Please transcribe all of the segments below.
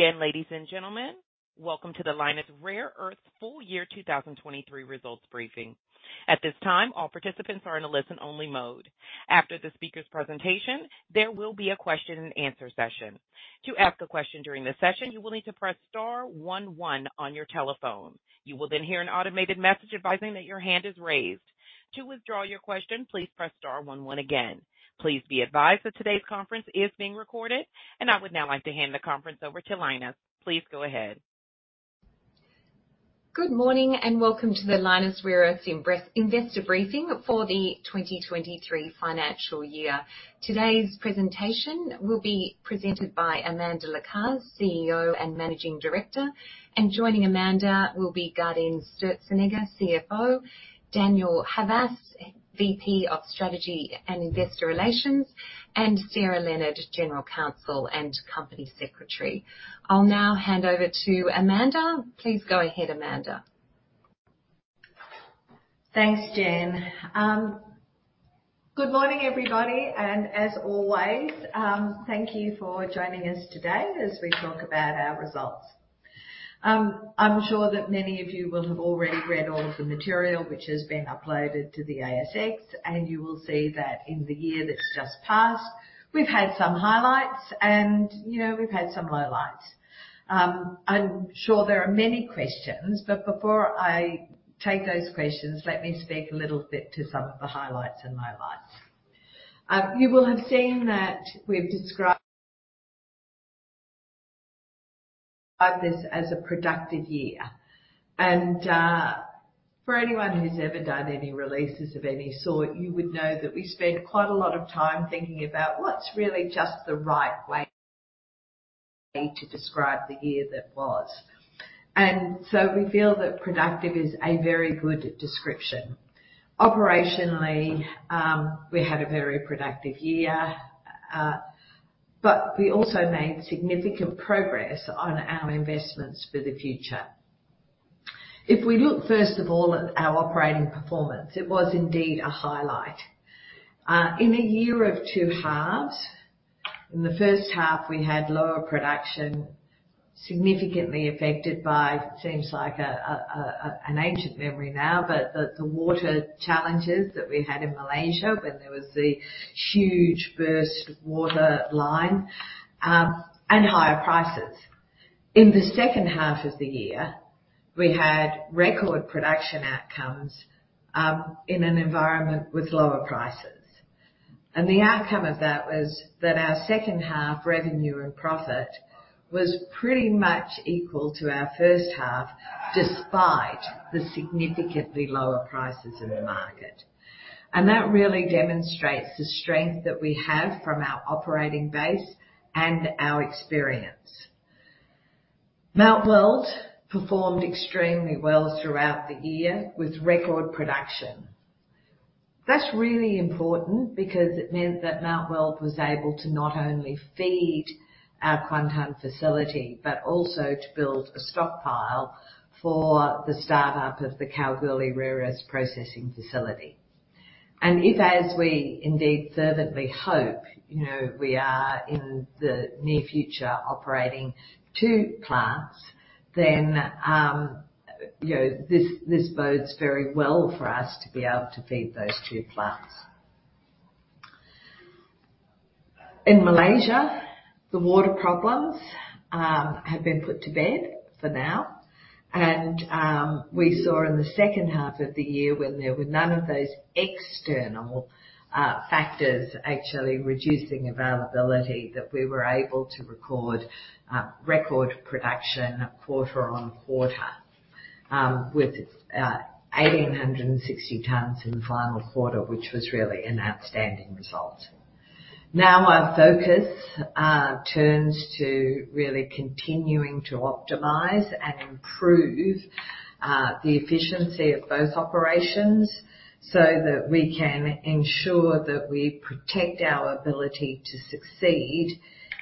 Again, ladies and gentlemen, welcome to the Lynas Rare Earths full year 2023 results briefing. At this time, all participants are in a listen-only mode. After the speaker's presentation, there will be a question-and-answer session. To ask a question during the session, you will need to press star one, one on your telephone. You will then hear an automated message advising that your hand is raised. To withdraw your question, please press star one, one again. Please be advised that today's conference is being recorded, and I would now like to hand the conference over to Lynas. Please go ahead. Good morning, and welcome to the Lynas Rare Earths investor briefing for the 2023 financial year. Today's presentation will be presented by Amanda Lacaze, CEO and Managing Director. And joining Amanda will be Gaudenz Sturzenegger, CFO, Daniel Havas, VP of Strategy and Investor Relations, and Sarah Leonard, General Counsel and Company Secretary. I'll now hand over to Amanda. Please go ahead, Amanda. Thanks, Jen. Good morning, everybody, and as always, thank you for joining us today as we talk about our results. I'm sure that many of you will have already read all of the material which has been uploaded to the ASX, and you will see that in the year that's just passed, we've had some highlights and, you know, we've had some lowlights. I'm sure there are many questions, but before I take those questions, let me speak a little bit to some of the highlights and lowlights. You will have seen that we've described this as a productive year and, for anyone who's ever done any releases of any sort, you would know that we spend quite a lot of time thinking about what's really just the right way to describe the year that was. We feel that productive is a very good description. Operationally, we had a very productive year, but we also made significant progress on our investments for the future. If we look, first of all, at our operating performance, it was indeed a highlight. In a year of two halves, in the first half, we had lower production, significantly affected by, seems like an ancient memory now, but the water challenges that we had in Malaysia when there was the huge burst water line, and higher prices. In the second half of the year, we had record production outcomes, in an environment with lower prices. The outcome of that was that our second half revenue and profit was pretty much equal to our first half, despite the significantly lower prices in the market. That really demonstrates the strength that we have from our operating base and our experience. Mount Weld performed extremely well throughout the year with record production. That's really important because it meant that Mount Weld was able to not only feed our Kuantan facility, but also to build a stockpile for the startup of the Kalgoorlie Rare Earths Processing Facility. And if, as we indeed fervently hope, you know, we are in the near future operating two plants, then, you know, this bodes very well for us to be able to feed those two plants. In Malaysia, the water problems have been put to bed for now, and we saw in the second half of the year when there were none of those external factors actually reducing availability, that we were able to record record production quarter on quarter, with 1,860 tons in the final quarter, which was really an outstanding result. Now, our focus turns to really continuing to optimize and improve the efficiency of both operations so that we can ensure that we protect our ability to succeed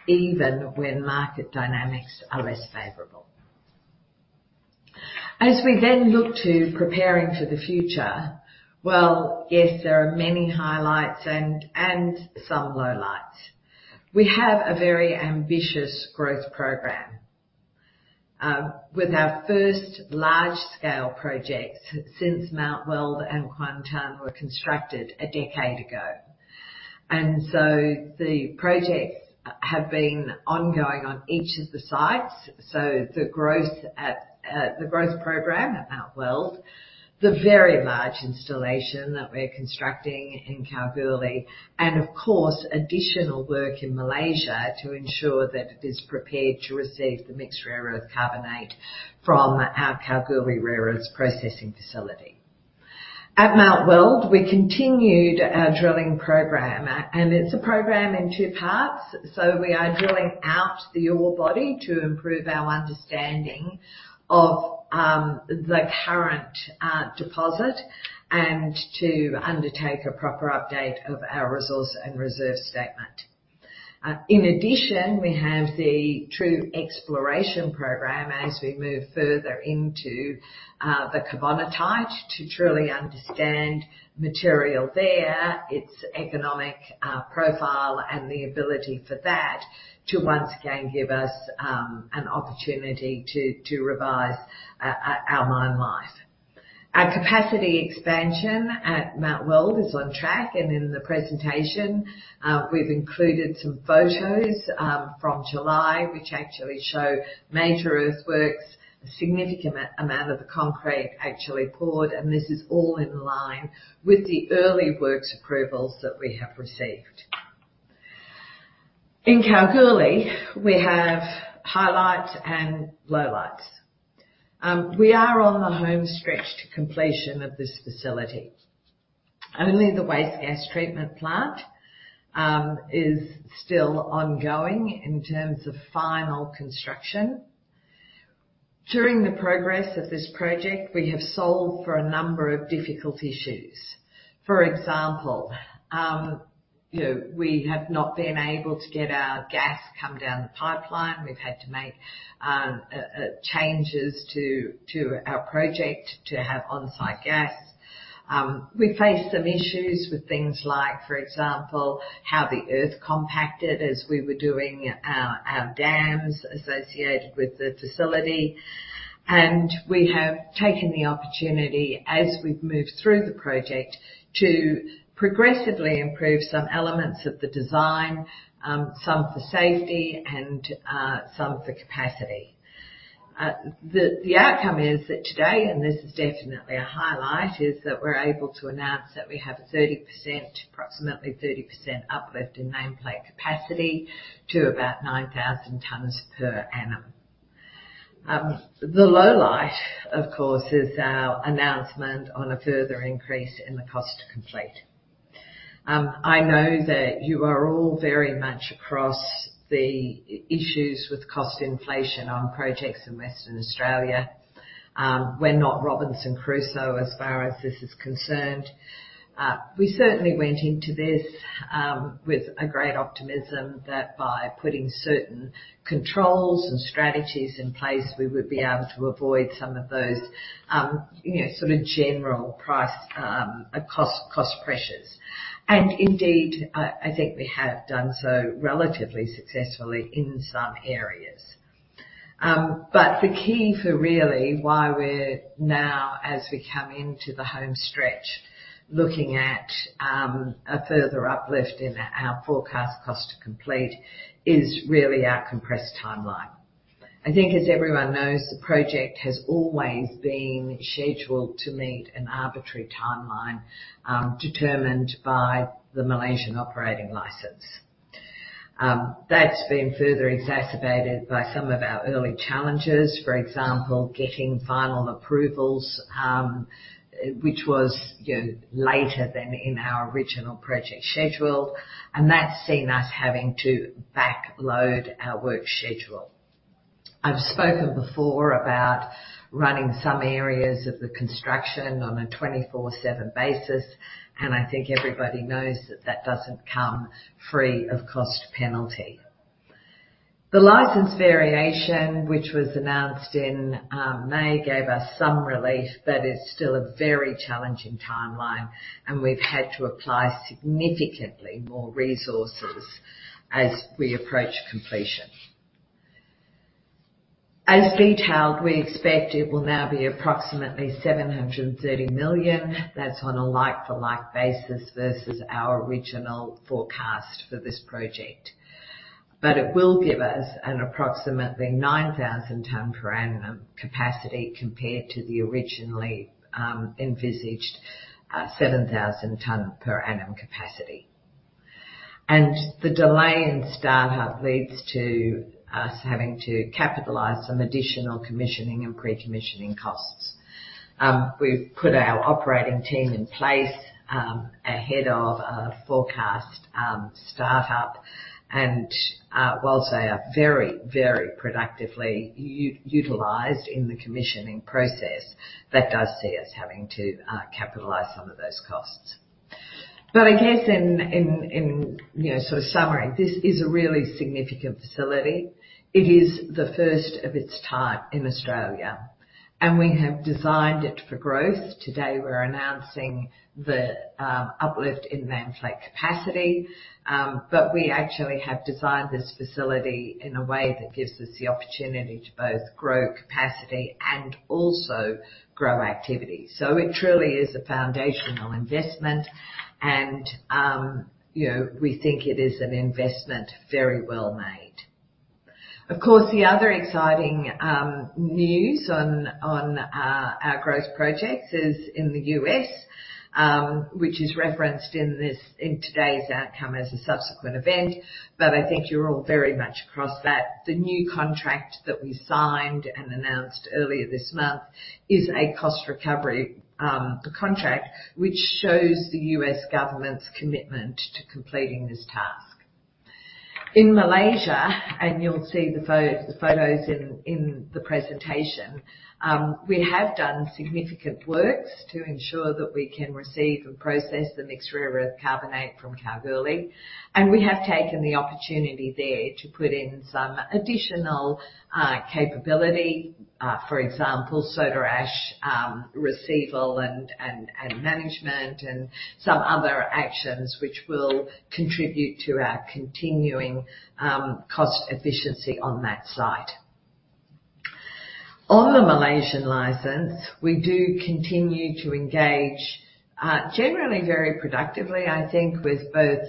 even when market dynamics are less favorable. As we then look to preparing for the future, well, yes, there are many highlights and some lowlights. We have a very ambitious growth program with our first large-scale projects since Mount Weld and Kuantan were constructed a decade ago. And so the projects have been ongoing on each of the sites. So the growth program at Mount Weld, the very large installation that we're constructing in Kalgoorlie, and of course, additional work in Malaysia to ensure that it is prepared to receive the mixed rare earth carbonate from our Kalgoorlie Rare Earths Processing Facility. At Mount Weld, we continued our drilling program, and it's a program in two parts. So we are drilling out the ore body to improve our understanding of the current deposit and to undertake a proper update of our resource and reserve statement. In addition, we have the true exploration program as we move further into the carbonatite to truly understand material there, its economic profile, and the ability for that to once again give us an opportunity to revise our mine life. Our capacity expansion at Mount Weld is on track, and in the presentation, we've included some photos from July, which actually show major earthworks, a significant amount of the concrete actually poured, and this is all in line with the early works approvals that we have received. In Kalgoorlie, we have highlights and lowlights. We are on the home stretch to completion of this facility. Only the waste gas treatment plant is still ongoing in terms of final construction. During the progress of this project, we have solved for a number of difficult issues. For example, you know, we have not been able to get our gas come down the pipeline. We've had to make changes to our project to have on-site gas. We faced some issues with things like, for example, how the earth compacted as we were doing our dams associated with the facility, and we have taken the opportunity as we've moved through the project to progressively improve some elements of the design, some for safety and some for capacity. The outcome is that today, and this is definitely a highlight, is that we're able to announce that we have 30%, approximately 30% uplift in nameplate capacity to about 9,000 tonnes per annum. The lowlight, of course, is our announcement on a further increase in the cost to complete. I know that you are all very much across the issues with cost inflation on projects in Western Australia. We're not Robinson Crusoe as far as this is concerned. We certainly went into this with a great optimism that by putting certain controls and strategies in place, we would be able to avoid some of those, you know, sort of general price cost pressures. And indeed, I think we have done so relatively successfully in some areas. But the key for really why we're now, as we come into the home stretch, looking at a further uplift in our forecast cost to complete is really our compressed timeline. I think, as everyone knows, the project has always been scheduled to meet an arbitrary timeline determined by the Malaysian operating license. That's been further exacerbated by some of our early challenges, for example, getting final approvals, which was, you know, later than in our original project schedule, and that's seen us having to backload our work schedule. I've spoken before about running some areas of the construction on a 24/7 basis, and I think everybody knows that that doesn't come free of cost penalty. The license variation, which was announced in May, gave us some relief, but it's still a very challenging timeline, and we've had to apply significantly more resources as we approach completion. As detailed, we expect it will now be approximately 730 million. That's on a like for like basis versus our original forecast for this project. But it will give us an approximately 9,000 ton per annum capacity, compared to the originally envisaged 7,000 ton per annum capacity. The delay in startup leads to us having to capitalize some additional commissioning and pre-commissioning costs. We've put our operating team in place ahead of our forecast startup, and whilst they are very, very productively utilized in the commissioning process, that does see us having to capitalize some of those costs. But I guess in, you know, sort of summary, this is a really significant facility. It is the first of its type in Australia, and we have designed it for growth. Today, we're announcing the uplift in nameplate capacity, but we actually have designed this facility in a way that gives us the opportunity to both grow capacity and also grow activity. So it truly is a foundational investment, and, you know, we think it is an investment very well made. Of course, the other exciting news on our growth projects is in the U.S., which is referenced in this, in today's outcome as a subsequent event, but I think you're all very much across that. The new contract that we signed and announced earlier this month is a cost recovery contract, which shows the U.S. government's commitment to completing this task. In Malaysia, and you'll see the photos in the presentation, we have done significant works to ensure that we can receive and process the mixed rare earth carbonate from Kalgoorlie, and we have taken the opportunity there to put in some additional capability, for example, soda ash receival and management, and some other actions which will contribute to our continuing cost efficiency on that site. On the Malaysian license, we do continue to engage generally very productively, I think, with both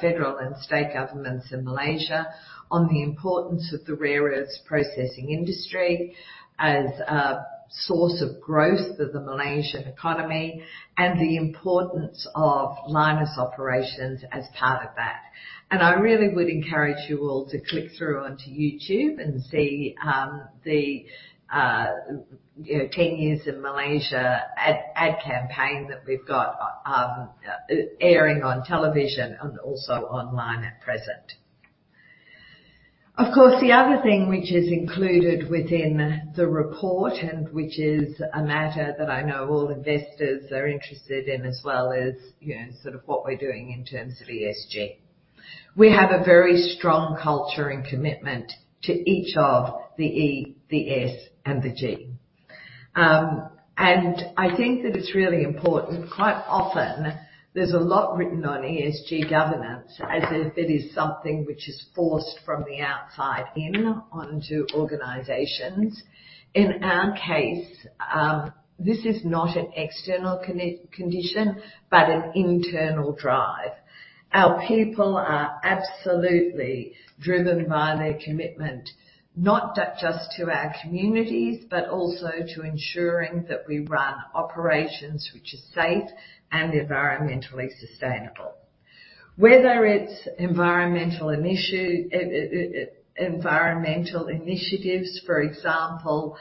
federal and state governments in Malaysia on the importance of the rare earths processing industry as a source of growth of the Malaysian economy and the importance of Lynas operations as part of that. I really would encourage you all to click through onto YouTube and see, you know, the ten years in Malaysia ad campaign that we've got, airing on television and also online at present. Of course, the other thing which is included within the report, and which is a matter that I know all investors are interested in, as well as, you know, sort of what we're doing in terms of ESG. We have a very strong culture and commitment to each of the E, the S and the G. And I think that it's really important. Quite often there's a lot written on ESG governance, as if it is something which is forced from the outside in onto organizations. In our case, this is not an external condition, but an internal drive. Our people are absolutely driven by their commitment, not just to our communities, but also to ensuring that we run operations which are safe and environmentally sustainable. Whether it's environmental initiatives, for example,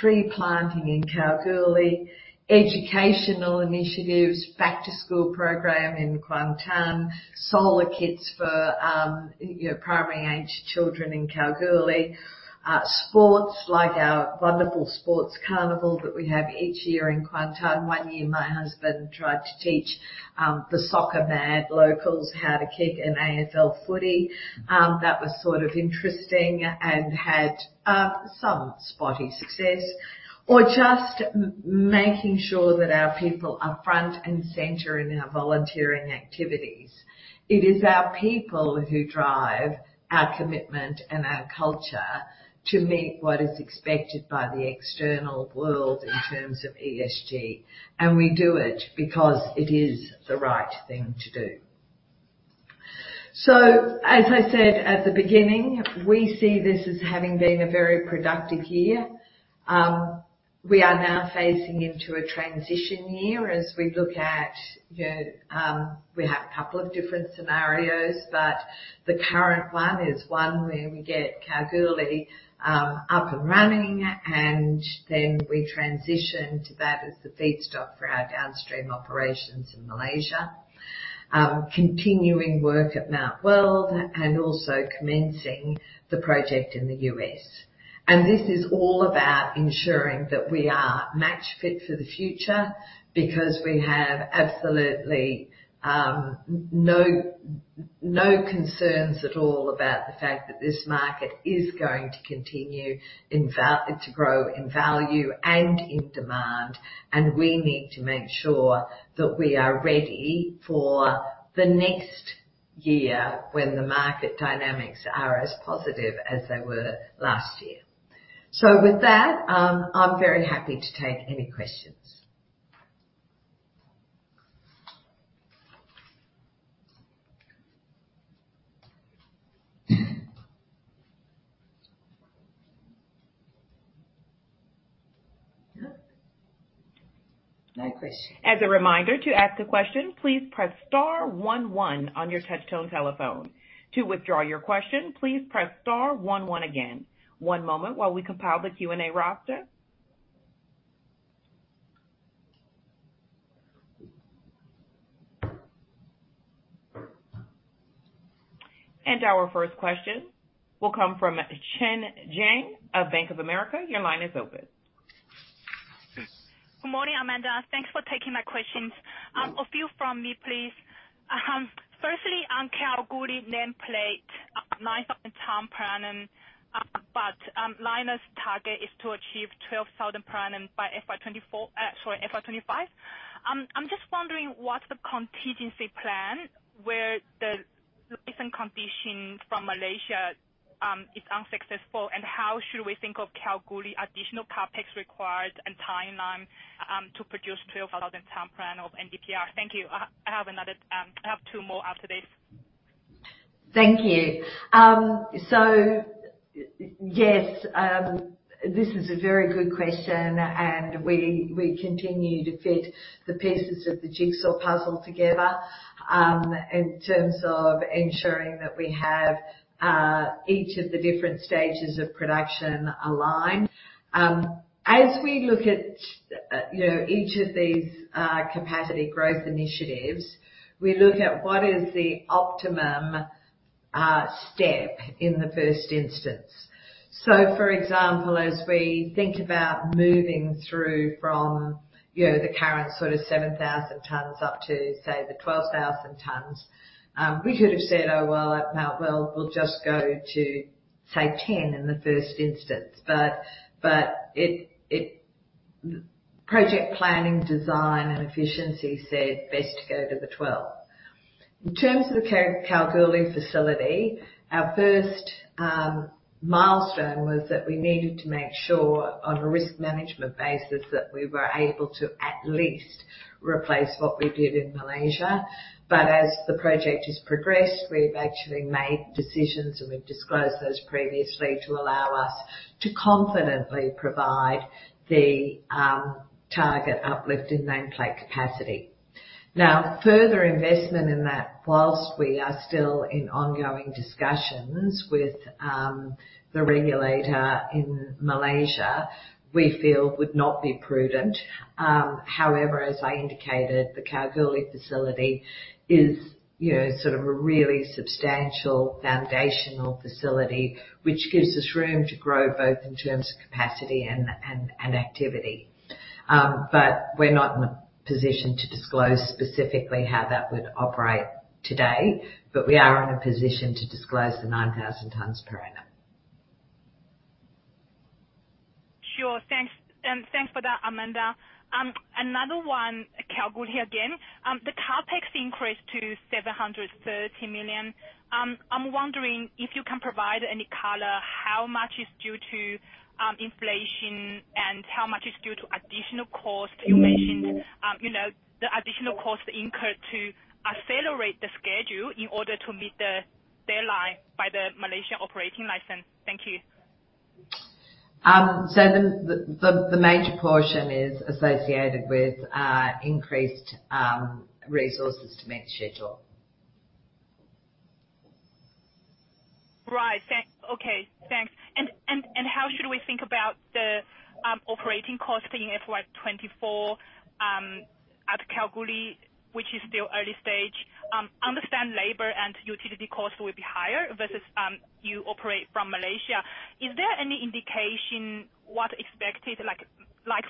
tree planting in Kalgoorlie, educational initiatives, back to school program in Kuantan, solar kits for your primary aged children in Kalgoorlie. Sports, like our wonderful sports carnival that we have each year in Kuantan. One year, my husband tried to teach the soccer-mad locals how to kick an AFL footy. That was sort of interesting and had some spotty success. Or just making sure that our people are front and center in our volunteering activities. It is our people who drive our commitment and our culture to meet what is expected by the external world in terms of ESG, and we do it because it is the right thing to do. So as I said at the beginning, we see this as having been a very productive year. We are now phasing into a transition year as we look at, you know, we have a couple of different scenarios, but the current one is one where we get Kalgoorlie up and running, and then we transition to that as the feedstock for our downstream operations in Malaysia, continuing work at Mount Weld and also commencing the project in the U.S. This is all about ensuring that we are match fit for the future because we have absolutely, no, no concerns at all about the fact that this market is going to continue in value, to grow in value and in demand. And we need to make sure that we are ready for the next year when the market dynamics are as positive as they were last year. So with that, I'm very happy to take any questions. No questions. As a reminder, to ask a question, please press star one one on your touchtone telephone. To withdraw your question, please press star one one again. One moment while we compile the Q&A roster. Our first question will come from Chen Jiang of Bank of America. Your line is open. Good morning, Amanda. Thanks for taking my questions. A few from me, please. Firstly, on Kalgoorlie nameplate, 9,000 tons per annum, but Lynas's target is to achieve 12,000 per annum by FY 2024, sorry, FY 2025. I'm just wondering, what's the contingency plan where the recent conditions from Malaysia is unsuccessful? And how should we think of Kalgoorlie additional CapEx required and timeline to produce 12,000 tons per annum of MREC? Thank you. I have another, I have two more after this. Thank you. So yes, this is a very good question, and we continue to fit the pieces of the jigsaw puzzle together, in terms of ensuring that we have each of the different stages of production aligned. As we look at, you know, each of these capacity growth initiatives, we look at what is the optimum step in the first instance. So for example, as we think about moving through from, you know, the current sort of 7,000 tons up to, say, the 12,000 tons, we could have said, "Oh, well, at Mount Weld, we'll just go to, say, 10 in the first instance," but project planning, design, and efficiency said best to go to the 12. In terms of the Kalgoorlie facility, our first milestone was that we needed to make sure on a risk management basis, that we were able to at least replace what we did in Malaysia. But as the project has progressed, we've actually made decisions, and we've disclosed those previously to allow us to confidently provide the target uplift in nameplate capacity. Now, further investment in that, while we are still in ongoing discussions with the regulator in Malaysia, we feel would not be prudent. However, as I indicated, the Kalgoorlie facility is, you know, sort of a really substantial foundational facility, which gives us room to grow, both in terms of capacity and activity. But we're not in a position to disclose specifically how that would operate today, but we are in a position to disclose the 9,000 tons per annum. Sure. Thanks, thanks for that, Amanda. Another one, Kalgoorlie again. The CapEx increased to 730 million. I'm wondering if you can provide any color, how much is due to inflation and how much is due to additional cost? You mentioned, you know, the additional costs incurred to accelerate the schedule in order to meet the deadline by the Malaysian operating license. Thank you. So the major portion is associated with increased resources to meet the schedule. Right. Okay, thanks. And how should we think about the operating costs in FY 2024 at Kalgoorlie, which is still early stage? Understand labor and utility costs will be higher versus you operate from Malaysia. Is there any indication what expected, like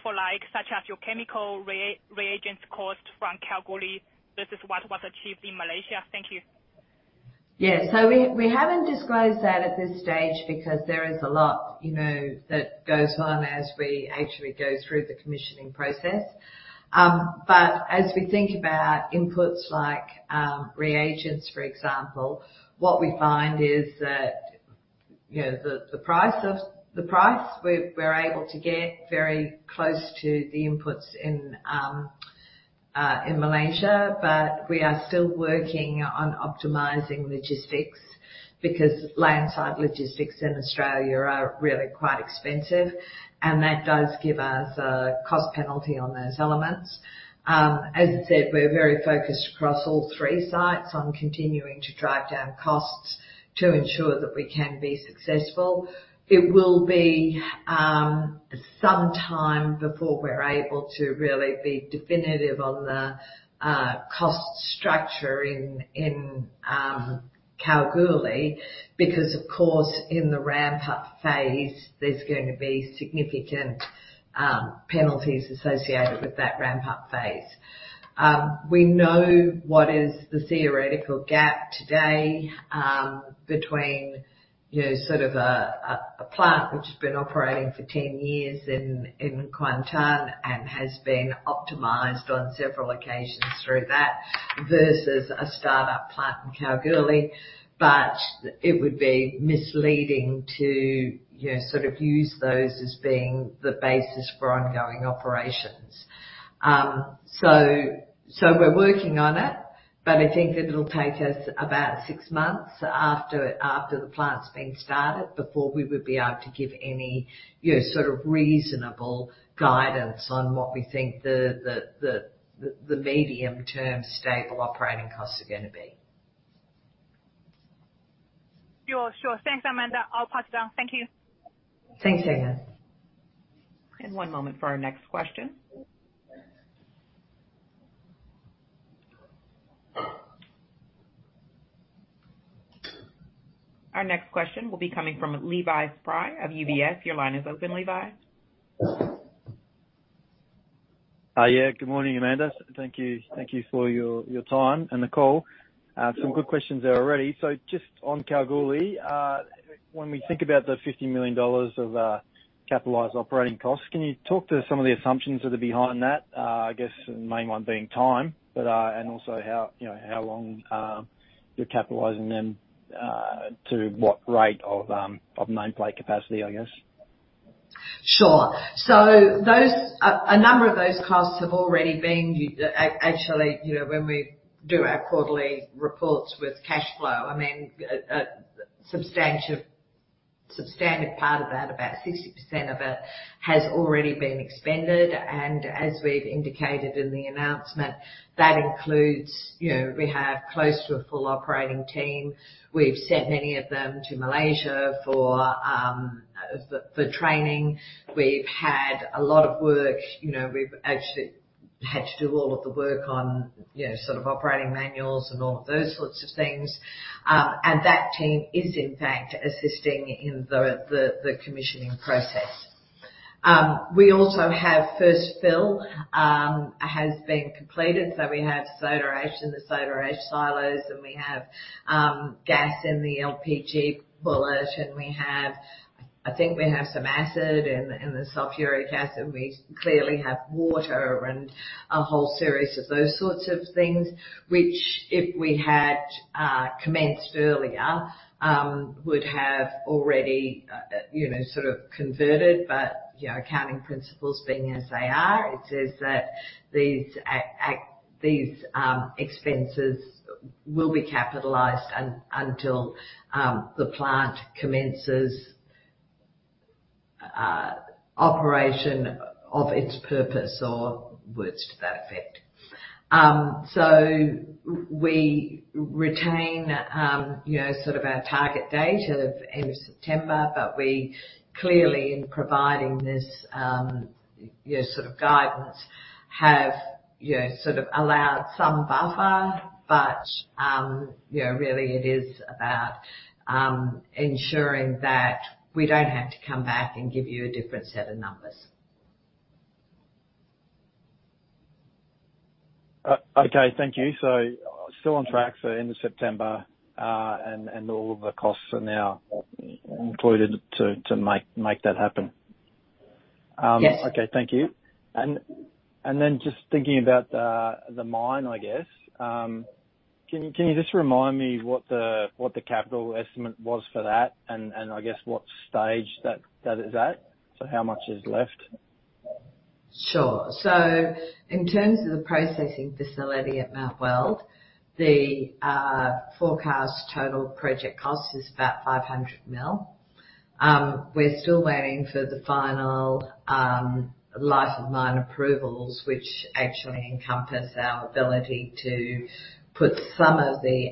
for like, such as your chemical reagents cost from Kalgoorlie versus what was achieved in Malaysia? Thank you. Yeah. So we haven't disclosed that at this stage because there is a lot, you know, that goes on as we actually go through the commissioning process. But as we think about inputs like reagents, for example, what we find is that, you know, the price we're able to get very close to the inputs in Malaysia. But we are still working on optimizing logistics because land side logistics in Australia are really quite expensive, and that does give us a cost penalty on those elements. As I said, we're very focused across all three sites on continuing to drive down costs to ensure that we can be successful. It will be some time before we're able to really be definitive on the cost structure in Kalgoorlie, because of course, in the ramp-up phase, there's going to be significant penalties associated with that ramp-up phase. We know what is the theoretical gap today between, you know, sort of a plant which has been operating for 10 years in Kuantan and has been optimized on several occasions through that versus a start-up plant in Kalgoorlie. But it would be misleading to, you know, sort of use those as being the basis for ongoing operations. So we're working on it, but I think that it'll take us about six months after the plant's been started, before we would be able to give any, you know, sort of reasonable guidance on what we think the medium-term stable operating costs are gonna be. Sure. Sure. Thanks, Amanda. I'll pass it down. Thank you. Thanks again. One moment for our next question. Our next question will be coming from Levi Spry of UBS. Your line is open, Levi. Yeah. Good morning, Amanda. Thank you. Thank you for your, your time and the call. Some good questions there already. So just on Kalgoorlie, when we think about the 50 million dollars of capitalized operating costs, can you talk to some of the assumptions that are behind that? I guess the main one being time, but, and also how, you know, how long you're capitalizing them to what rate of nameplate capacity, I guess? Sure. So those. A number of those costs have already been, actually, you know, when we do our quarterly reports with cash flow, I mean, a substantial, substantive part of that, about 60% of it, has already been expended. And as we've indicated in the announcement, that includes, you know, we have close to a full operating team. We've sent many of them to Malaysia for training. We've had a lot of work. You know, we've actually had to do all of the work on, you know, sort of operating manuals and all of those sorts of things. And that team is, in fact, assisting in the commissioning process. We also have first fill has been completed, so we have soda ash in the soda ash silos, and we have gas in the LPG bullet, and we have. I think we have some acid and the sulfuric acid. We clearly have water and a whole series of those sorts of things, which, if we had commenced earlier, would have already, you know, sort of converted. But, you know, accounting principles being as they are, it says that these expenses will be capitalized until the plant commences operation of its purpose, or words to that effect. So we retain, you know, sort of our target date of end of September, but we clearly, in providing this, you know, sort of guidance, have, you know, sort of allowed some buffer. you know, really it is about ensuring that we don't have to come back and give you a different set of numbers. Okay, thank you. So still on track, end of September, and all of the costs are now included to make that happen. Yes. Okay. Thank you. And then just thinking about the mine, I guess. Can you just remind me what the capital estimate was for that, and I guess what stage that is at? So how much is left? Sure. So in terms of the processing facility at Mount Weld, forecast total project cost is about 500 million. We're still waiting for the final life of mine approvals, which actually encompass our ability to put some of the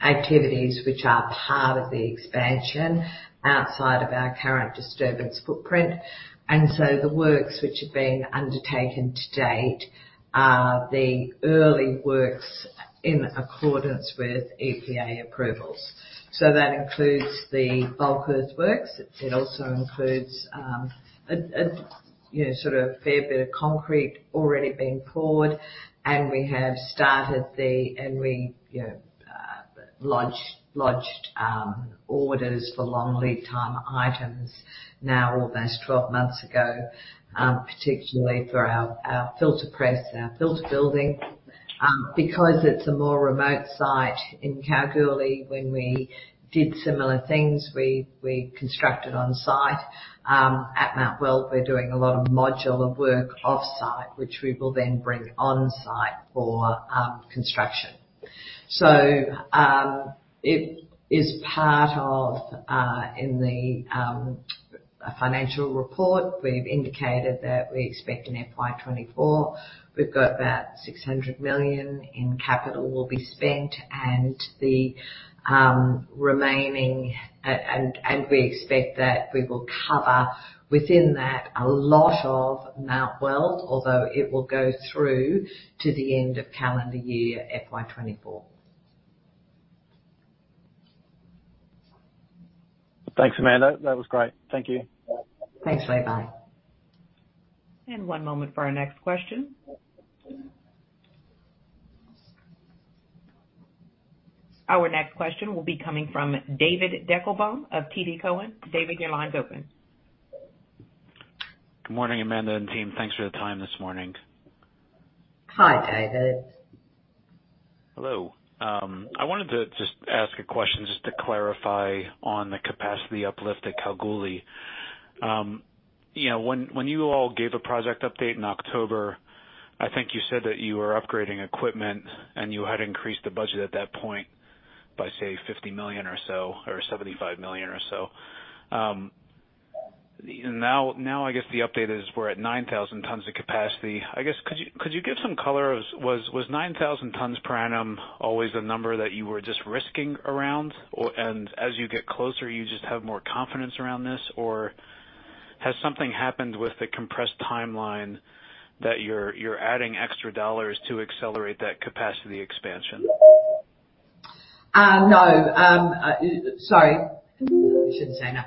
activities which are part of the expansion outside of our current disturbance footprint. And so the works which have been undertaken to date are the early works in accordance with EPA approvals. So that includes the bulk earthworks. It also includes, you know, sort of a fair bit of concrete already being poured. And we, you know, lodged orders for long lead time items now almost 12 months ago, particularly for our filter press and our filter building. Because it's a more remote site in Kalgoorlie, when we did similar things, we constructed on site. At Mount Weld, we're doing a lot of modular work off-site, which we will then bring on-site for construction. It is part of the financial report. We've indicated that we expect in FY 2024, we've got about 600 million in capital will be spent and the remaining and we expect that we will cover within that a lot of Mount Weld, although it will go through to the end of calendar year, FY 2024. Thanks, Amanda. That was great. Thank you. Thanks, Levi. Bye. One moment for our next question. Our next question will be coming from David Deckelbaum of TD Cowen. David, your line's open. Good morning, Amanda and team. Thanks for the time this morning. Hi, David. Hello. I wanted to just ask a question just to clarify on the capacity uplift at Kalgoorlie. You know, when you all gave a project update in October, I think you said that you were upgrading equipment and you had increased the budget at that point by, say, 50 million or so, or 75 million or so. Now, I guess the update is we're at 9,000 tons of capacity. I guess, could you give some color? Was 9,000 tons per annum always the number that you were just kicking around? Or, as you get closer, you just have more confidence around this? Or has something happened with the compressed timeline that you're adding extra dollars to accelerate that capacity expansion? No. Sorry, I shouldn't say no.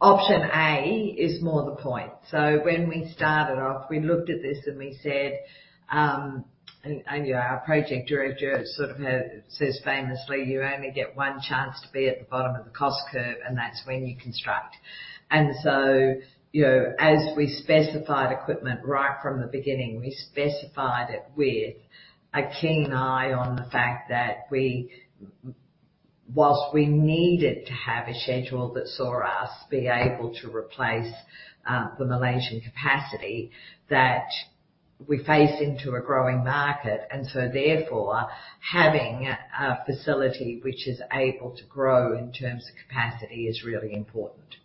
Option A is more the point. So when we started off, we looked at this, and we said, you know, our project director sort of says famously, "You only get one chance to be at the bottom of the cost curve, and that's when you construct." And so, you know, as we specified equipment right from the beginning, we specified it with a keen eye on the fact that we, whilst we needed to have a schedule that saw us be able to replace the Malaysian capacity, that we face into a growing market. And so therefore, having a facility which is able to grow in terms of capacity is really important.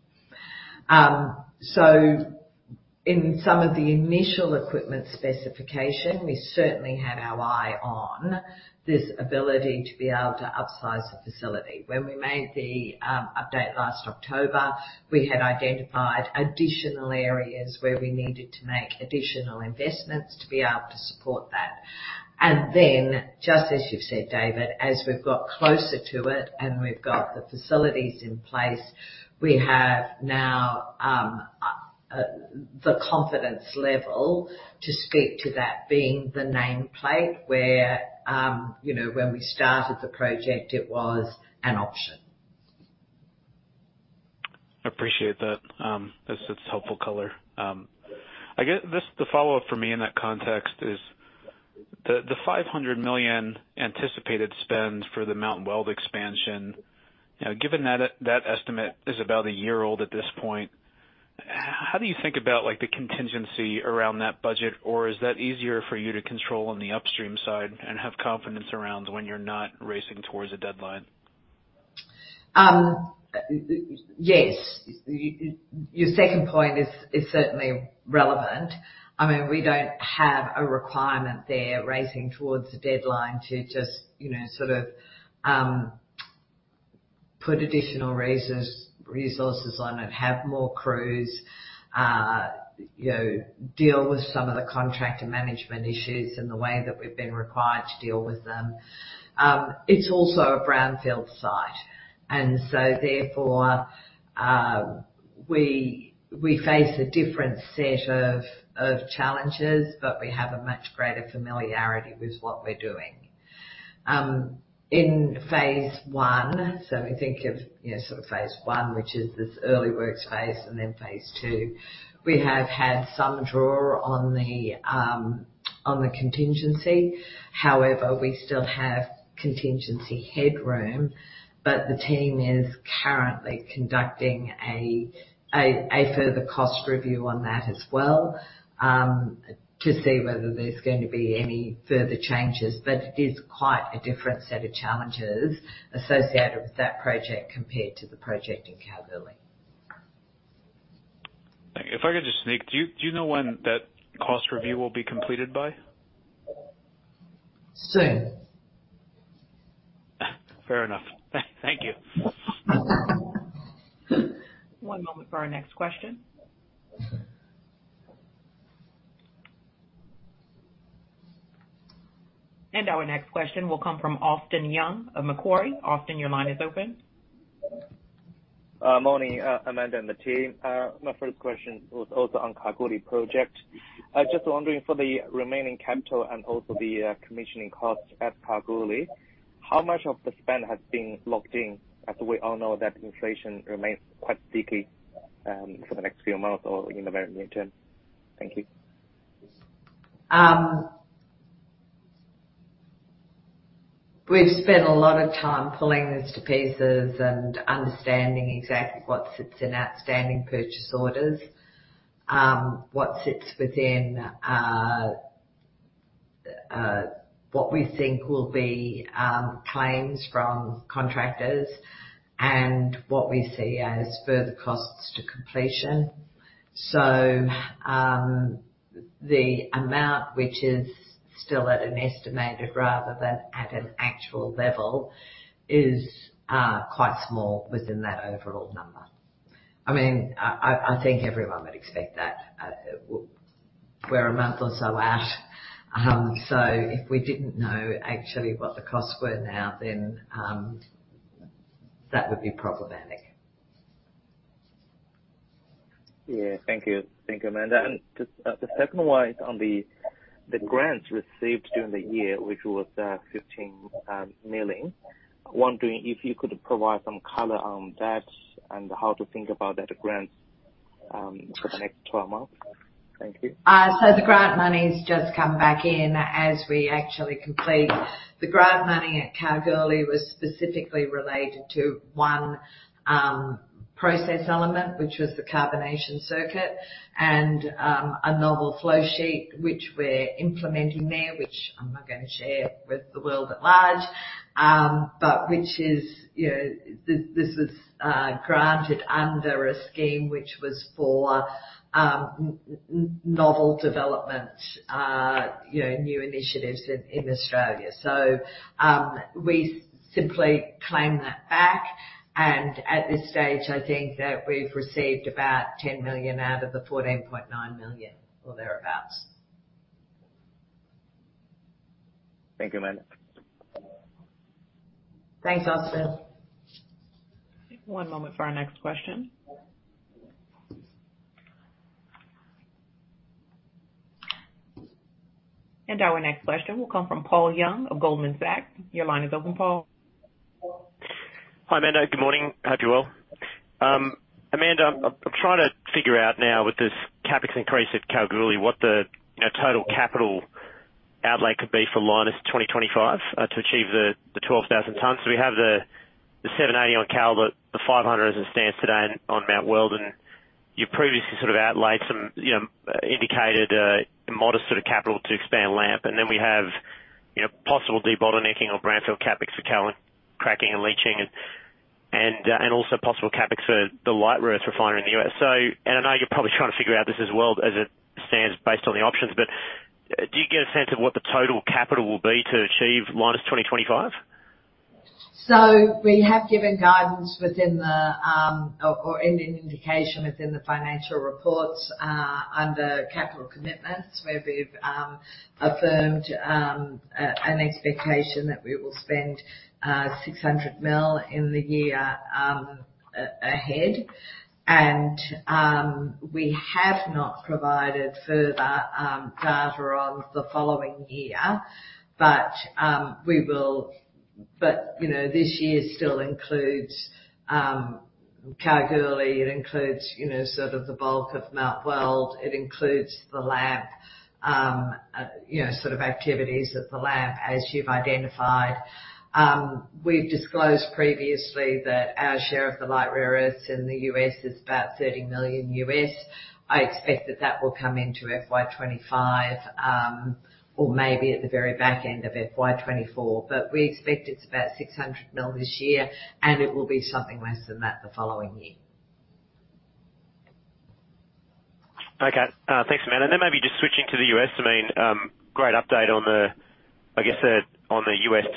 So in some of the initial equipment specification, we certainly had our eye on this ability to be able to upsize the facility. When we made the update last October, we had identified additional areas where we needed to make additional investments to be able to support that. And then, just as you've said, David, as we've got closer to it and we've got the facilities in place, we have now the confidence level to speak to that being the nameplate where, you know, when we started the project, it was an option. I appreciate that. It's helpful color. I guess this, the follow-up for me in that context is the 500 million anticipated spend for the Mount Weld expansion. Now, given that, that estimate is about a year old at this point, how do you think about, like, the contingency around that budget? Or is that easier for you to control on the upstream side and have confidence around when you're not racing towards a deadline? Yes, your second point is certainly relevant. I mean, we don't have a requirement there racing towards a deadline to just, you know, sort of, put additional resources on and have more crews, you know, deal with some of the contractor management issues in the way that we've been required to deal with them. It's also a brownfield site, and so, therefore, we face a different set of challenges, but we have a much greater familiarity with what we're doing. In phase one, so we think of, you know, sort of phase one, which is this early works phase, and then phase two. We have had some draw on the, on the contingency. However, we still have contingency headroom, but the team is currently conducting a further cost review on that as well, to see whether there's going to be any further changes. But it is quite a different set of challenges associated with that project compared to the project in Kalgoorlie. If I could just sneak, do you know when that cost review will be completed by? Soon. Fair enough. Thank you. One moment for our next question. Our next question will come from Austin Yun of Macquarie. Austin, your line is open. Morning, Amanda and the team. My first question was also on Kalgoorlie project. I was just wondering, for the remaining capital and also the commissioning costs at Kalgoorlie, how much of the spend has been locked in? As we all know that inflation remains quite sticky, for the next few months or in the very near term. Thank you. We've spent a lot of time pulling this to pieces and understanding exactly what sits in outstanding purchase orders, what sits within what we think will be claims from contractors and what we see as further costs to completion. So, the amount, which is still at an estimated rather than at an actual level, is quite small within that overall number. I mean, I think everyone would expect that, we're a month or so out. So if we didn't know actually what the costs were now, then that would be problematic. Yeah. Thank you. Thank you, Amanda. And just the second one is on the grants received during the year, which was 15 million. Wondering if you could provide some color on that and how to think about that grant for the next 12 months. Thank you. So the grant monies just come back in as we actually complete. The grant money at Kalgoorlie was specifically related to one process element, which was the carbonation circuit and a novel flow sheet, which we're implementing there, which I'm not going to share with the world at large, but which is, you know, this, this is granted under a scheme which was for novel development, you know, new initiatives in Australia. So we simply claim that back, and at this stage, I think that we've received about 10 million out of the 14.9 million or thereabouts. Thank you, Amanda. Thanks, Austin. One moment for our next question. Our next question will come from Paul Young of Goldman Sachs. Your line is open, Paul. Hi, Amanda. Good morning. Hope you're well. Amanda, I'm trying to figure out now with this CapEx increase at Kalgoorlie, what the, you know, total capital outlay could be for Lynas 2025, to achieve the 12,000 tons. So we have the 780 on Kal, but the 500 as it stands today on Mount Weld, and you previously sort of outlaid some, you know, indicated, a modest sort of capital to expand LAMP. And then we have, you know, possible debottlenecking or brownfield CapEx for Kalgoorlie, cracking and leaching and also possible CapEx for the light rare earths refinery in the US. So... I know you're probably trying to figure out this as well as it stands based on the options, but do you get a sense of what the total capital will be to achieve Lynas 2025? So we have given guidance within the or in an indication within the financial reports under capital commitments, where we've affirmed an expectation that we will spend 600 million in the year ahead. And we have not provided further data on the following year, but you know, this year still includes Kalgoorlie. It includes you know, sort of the bulk of Mount Weld. It includes the lab you know, sort of activities at the lab, as you've identified. We've disclosed previously that our share of the light rare earths in the U.S. is about $30 million. I expect that that will come into FY 2025 or maybe at the very back end of FY 2024. But we expect it's about 600 million this year, and it will be something less than that the following year. Okay. Thanks, Amanda. And then maybe just switching to the U.S. I mean, great update on the, I guess, the, on the U.S.,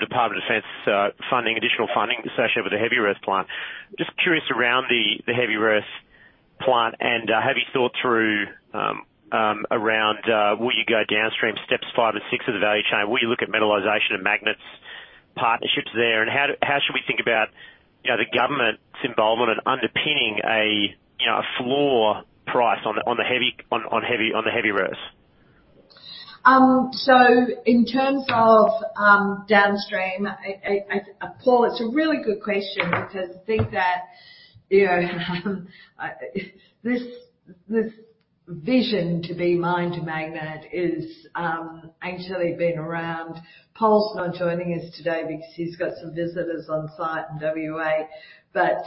Department of Defense, funding, additional funding, especially with the heavy earth plant. Just curious around the, the heavy earth plant, and, have you thought through, around, will you go downstream steps five and six of the value chain? Will you look at metallization and magnets partnerships there? And how do, how should we think about, you know, the government's involvement in underpinning a, you know, a floor price on the, on the heavy, on, on heavy, on the heavy earths? So in terms of downstream, Paul, it's a really good question because I think that, you know, this vision to be mine to magnet is actually been around. Paul's not joining us today because he's got some visitors on site in WA, but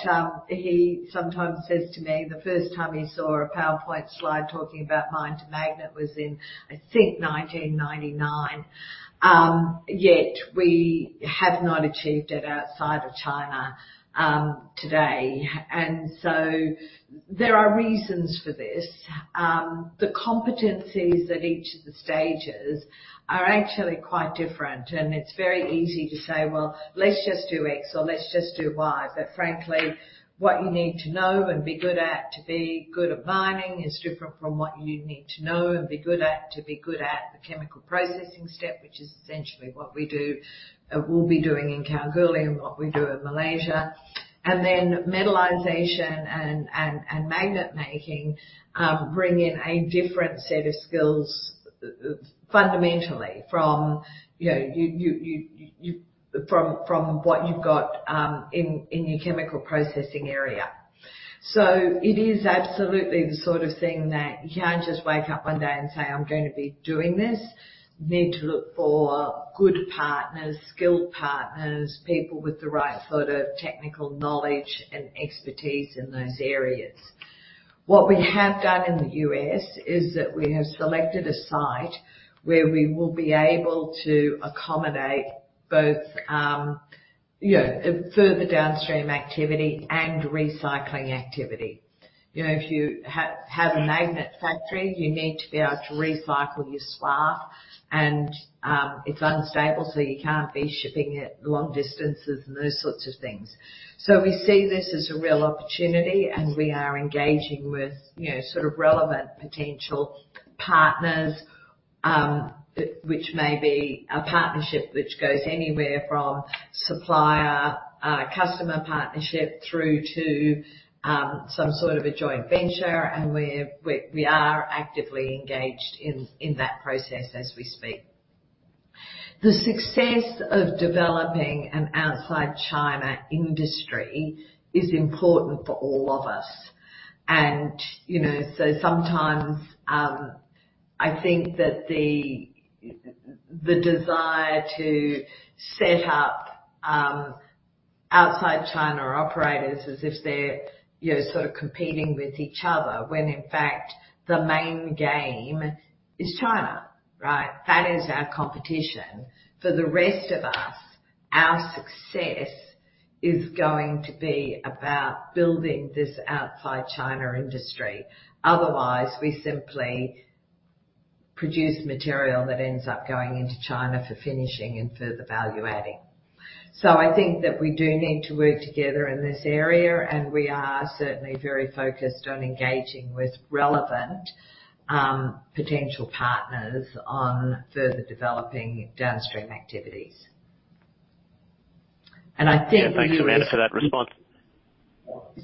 he sometimes says to me, the first time he saw a PowerPoint slide talking about mine to magnet was in, I think, 1999. Yet we have not achieved it outside of China today. And so there are reasons for this. The competencies at each of the stages are actually quite different, and it's very easy to say, "Well, let's just do X, or let's just do Y." But frankly, what you need to know and be good at, to be good at mining, is different from what you need to know and be good at, to be good at the chemical processing step, which is essentially what we do, we'll be doing in Kalgoorlie and what we do in Malaysia. And then metallization and magnet making bring in a different set of skills, fundamentally from, you know, you from what you've got in your chemical processing area. So it is absolutely the sort of thing that you can't just wake up one day and say, "I'm going to be doing this." You need to look for good partners, skilled partners, people with the right sort of technical knowledge and expertise in those areas. What we have done in the U.S. is that we have selected a site where we will be able to accommodate both, you know, further downstream activity and recycling activity. You know, if you have a magnet factory, you need to be able to recycle your scrap, and it's unstable, so you can't be shipping it long distances and those sorts of things. So we see this as a real opportunity, and we are engaging with, you know, sort of relevant potential partners, which may be a partnership which goes anywhere from supplier, customer partnership through to, some sort of a joint venture, and we are actively engaged in that process as we speak. The success of developing an outside China industry is important for all of us. And, you know, so sometimes, I think that the desire to set up, outside China operators as if they're, you know, sort of competing with each other, when in fact, the main game is China, right? That is our competition. For the rest of us, our success is going to be about building this outside China industry. Otherwise, we simply produce material that ends up going into China for finishing and further value adding. So I think that we do need to work together in this area, and we are certainly very focused on engaging with relevant, potential partners on further developing downstream activities. And I think the ESG- Yeah, thanks, Amanda, for that response.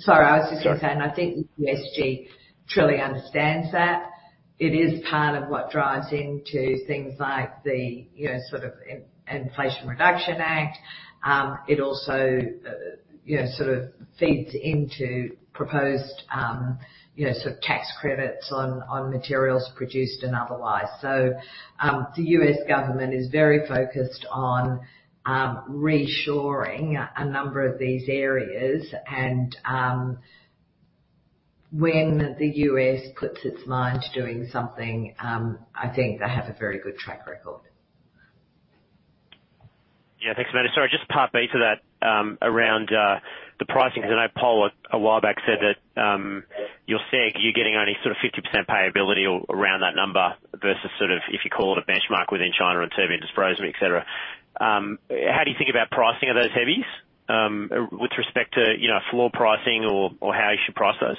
Sorry, I was just gonna say- Sorry. and I think the ESG truly understands that. It is part of what drives into things like the, you know, sort of, Inflation Reduction Act. It also, you know, sort of feeds into proposed, you know, sort of tax credits on, on materials produced and otherwise. So, the U.S. government is very focused on, reshoring a number of these areas, and, when the U.S. puts its mind to doing something, I think they have a very good track record. Yeah. Thanks, Amanda. Sorry, just part B to that, around the pricing, because I know Paul, a while back, said that you're seeing, you're getting only sort of 50% payability or around that number versus sort of, if you call it a benchmark within China and term industry, et cetera. How do you think about pricing of those heavies, with respect to, you know, floor pricing or, or how you should price those?...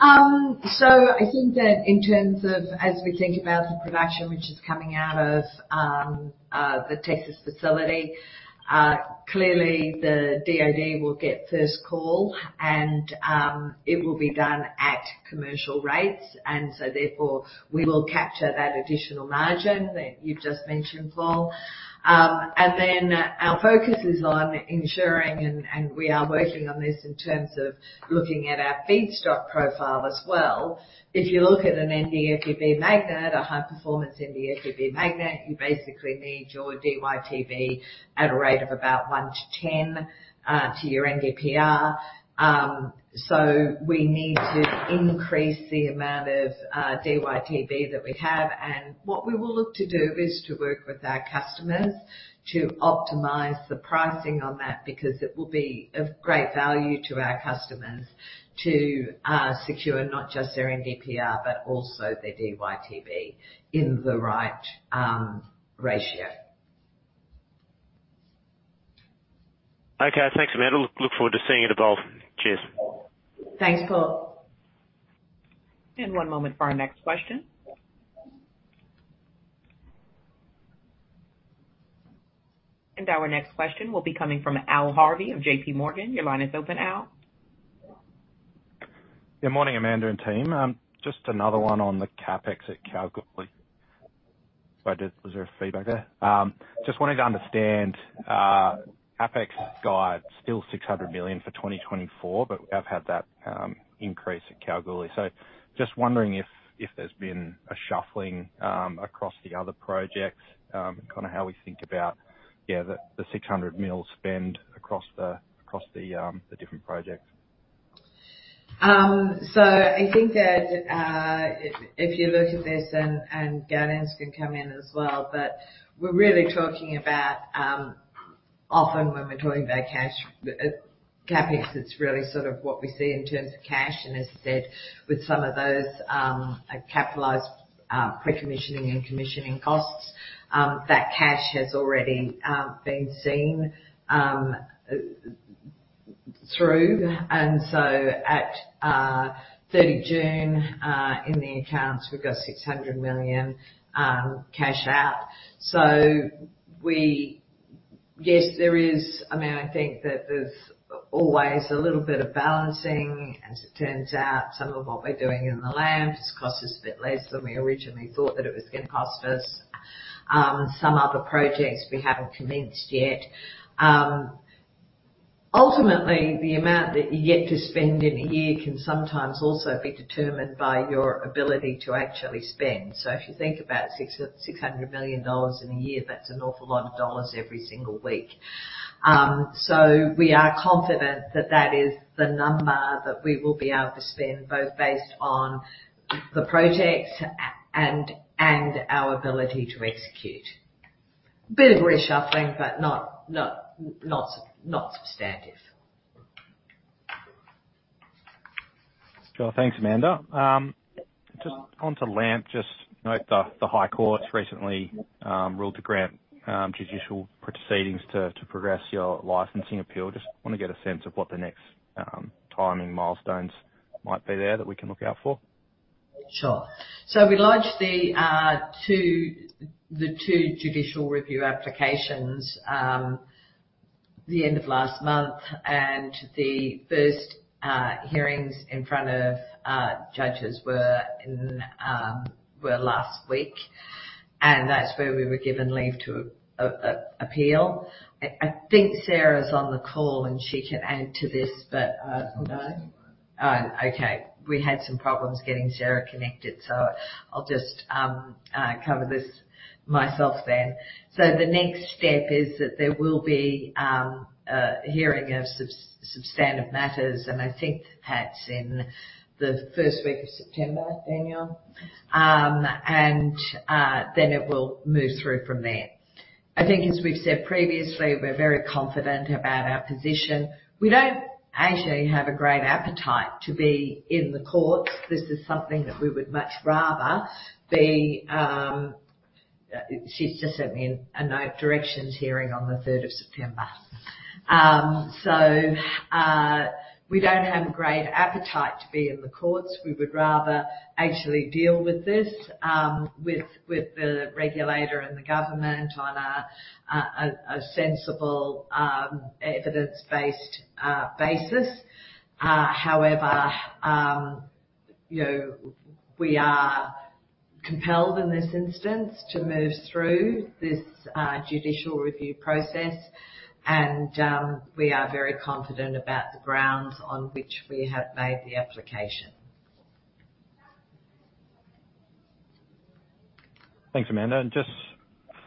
So I think that in terms of as we think about the production which is coming out of the Texas facility, clearly the DoD will get first call and it will be done at commercial rates, and so therefore we will capture that additional margin that you've just mentioned, Paul. And then our focus is on ensuring and we are working on this in terms of looking at our feedstock profile as well. If you look at an NdFeB magnet, a high-performance NdFeB magnet, you basically need your DyTb at a rate of about 1 to 10 to your NdPr. So we need to increase the amount of DyTb that we have. What we will look to do is to work with our customers to optimize the pricing on that, because it will be of great value to our customers to secure not just their NdPr, but also their DyTb in the right ratio. Okay. Thanks, Amanda. Look forward to seeing you at evolve. Cheers. Thanks, Paul. One moment for our next question. Our next question will be coming from Al Harvey of JP Morgan. Your line is open, Al. Good morning, Amanda and team. Just another one on the CapEx at Kalgoorlie. Sorry, was there a feedback there? Just wanted to understand, CapEx guide, still 600 million for 2024, but we have had that increase at Kalgoorlie. So just wondering if, if there's been a shuffling across the other projects, kind of how we think about, yeah, the, the 600 million spend across the, across the, the different projects. So I think that if you look at this and Gaudenz can come in as well, but we're really talking about often when we're talking about cash, CapEx, it's really sort of what we see in terms of cash. And as I said, with some of those capitalized pre-commissioning and commissioning costs, that cash has already been seen through. And so at 30 June in the accounts, we've got 600 million cash out. So we... Yes, there is. I mean, I think that there's always a little bit of balancing. As it turns out, some of what we're doing in the LAMP's costs us a bit less than we originally thought that it was going to cost us. Some other projects we haven't commenced yet. Ultimately, the amount that you're yet to spend in a year can sometimes also be determined by your ability to actually spend. So if you think about 600 million dollars in a year, that's an awful lot of dollars every single week. So we are confident that that is the number that we will be able to spend, both based on the projects and our ability to execute. Bit of reshuffling, but not substantive. Sure. Thanks, Amanda. Just onto LAMP, just note the High Courts recently ruled to grant judicial proceedings to progress your licensing appeal. Just want to get a sense of what the next timing milestones might be there that we can look out for. Sure. So we lodged the two judicial review applications the end of last month, and the first hearings in front of judges were last week, and that's where we were given leave to appeal. I think Sarah's on the call, and she can add to this, but... No? Oh, okay. We had some problems getting Sarah connected, so I'll just cover this myself then. So the next step is that there will be a hearing of substantive matters, and I think perhaps in the first week of September, Daniel. Then it will move through from there. I think, as we've said previously, we're very confident about our position. We don't actually have a great appetite to be in the courts. This is something that we would much rather be... She's just sent me a note, directions hearing on the third of September. So, we don't have a great appetite to be in the courts. We would rather actually deal with this with the regulator and the government on a sensible, evidence-based basis. However, you know, we are compelled in this instance to move through this judicial review process, and we are very confident about the grounds on which we have made the application. Thanks, Amanda. And just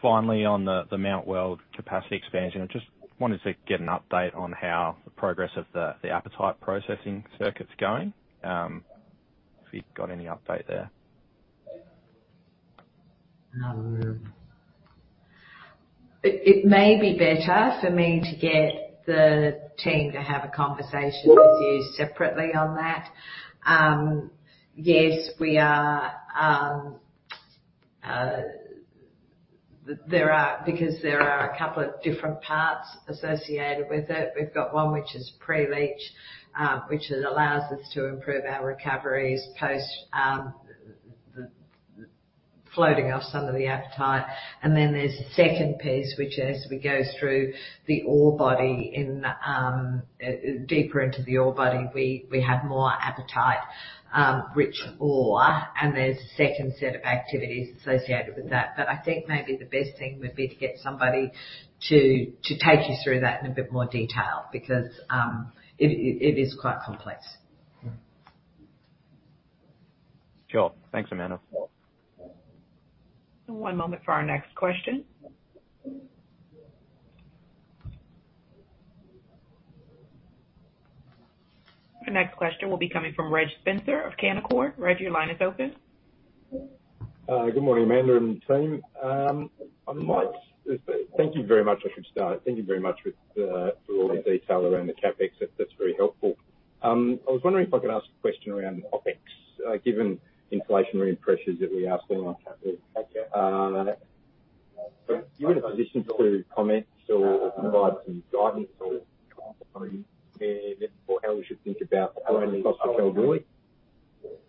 finally on the Mount Weld capacity expansion, I just wanted to get an update on how the progress of the apatite processing circuit's going. If you've got any update there. It may be better for me to get the team to have a conversation with you separately on that. Yes, we are. There are, because there are a couple of different parts associated with it. We've got one which is pre-leach, which allows us to improve our recoveries post the floating off some of the apatite. And then there's a second piece, which as we go through the ore body in deeper into the ore body, we have more apatite rich ore, and there's a second set of activities associated with that. But I think maybe the best thing would be to get somebody to take you through that in a bit more detail because it is quite complex. Sure. Thanks, Amanda. One moment for our next question. The next question will be coming from Reg Spencer of Canaccord. Reg, your line is open. Good morning, Amanda and team. Thank you very much. I should start. Thank you very much for all the detail around the CapEx. That's very helpful. I was wondering if I could ask a question around OpEx, given inflationary pressures that we are seeing on CapEx. Are you in a position to comment or provide some guidance or how we should think about the operating cost of Kalgoorlie?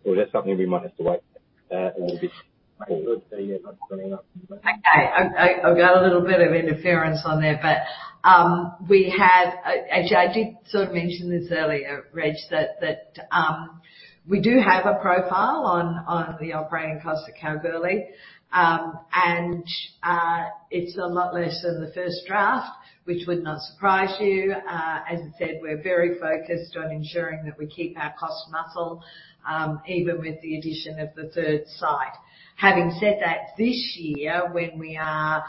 Or is that something we might have to wait a little bit for? Okay. I got a little bit of interference on there, but, we have, actually, I did sort of mention this earlier, Reg, that, that, we do have a profile on, on the operating cost of Kalgoorlie. And, it's a lot less than the first draft, which would not surprise you. As I said, we're very focused on ensuring that we keep our cost muscle, even with the addition of the third site. Having said that, this year, when we are,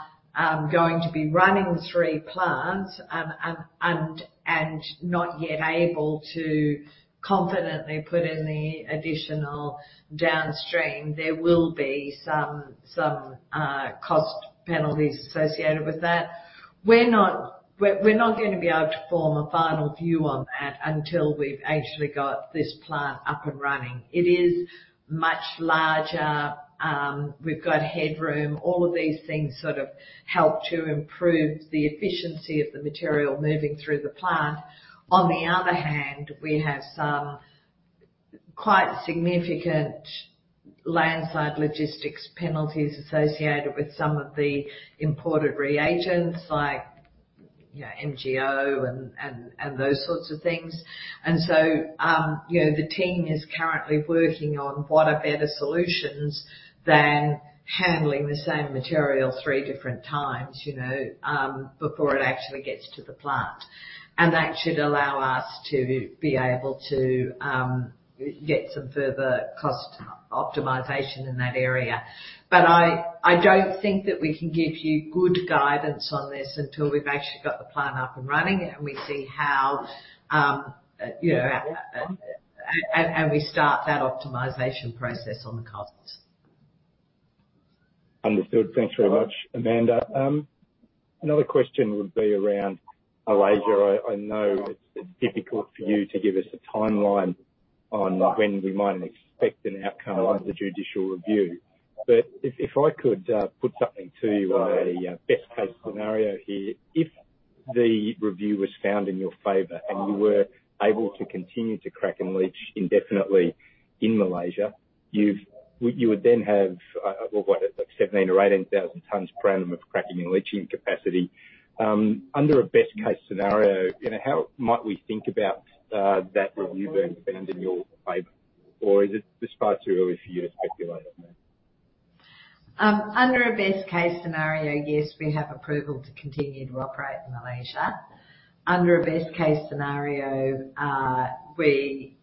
going to be running three plants, and not yet able to confidently put in the additional downstream, there will be some, cost penalties associated with that. We're not going to be able to form a final view on that until we've actually got this plant up and running. It is much larger. We've got headroom. All of these things sort of help to improve the efficiency of the material moving through the plant. On the other hand, we have some quite significant landside logistics penalties associated with some of the imported reagents, like, you know, MgO and those sorts of things. And so, you know, the team is currently working on what are better solutions than handling the same material three different times, you know, before it actually gets to the plant. And that should allow us to be able to get some further cost optimization in that area. But I don't think that we can give you good guidance on this until we've actually got the plant up and running, and we see how, you know, and we start that optimization process on the costs. Understood. Thanks very much, Amanda. Another question would be around Malaysia. I know it's difficult for you to give us a timeline on when we might expect an outcome of the judicial review. But if I could put something to you on a best case scenario here, if the review was found in your favor and you were able to continue to crack and leach indefinitely in Malaysia, you would then have what, like 17,000 or 18,000 tons per annum of cracking and leaching capacity. Under a best case scenario, you know, how might we think about that review being found in your favor, or is it just far too early for you to speculate on that? Under a best case scenario, yes, we have approval to continue to operate in Malaysia. Under a best case scenario, we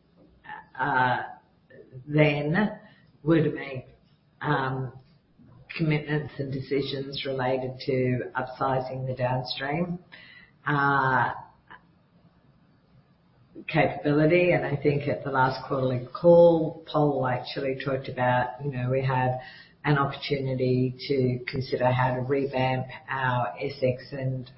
then would make commitments and decisions related to upsizing the downstream capability. And I think at the last quarterly call, Paul actually talked about, you know, we have an opportunity to consider how to revamp our SX and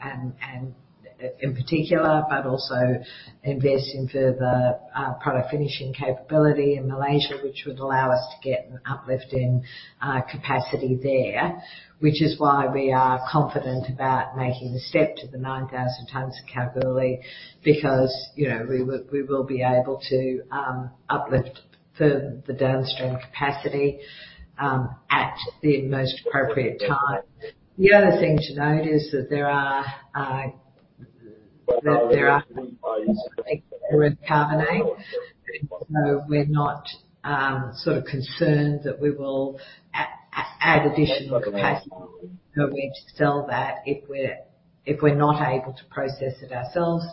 in particular, but also invest in further product finishing capability in Malaysia, which would allow us to get an uplift in capacity there. Which is why we are confident about making the step to the 9,000 tonnes of Kalgoorlie, because, you know, we will be able to uplift further the downstream capacity at the most appropriate time. The other thing to note is that there are rare earth carbonate. So we're not sort of concerned that we will add additional capacity, but we sell that if we're not able to process it ourselves.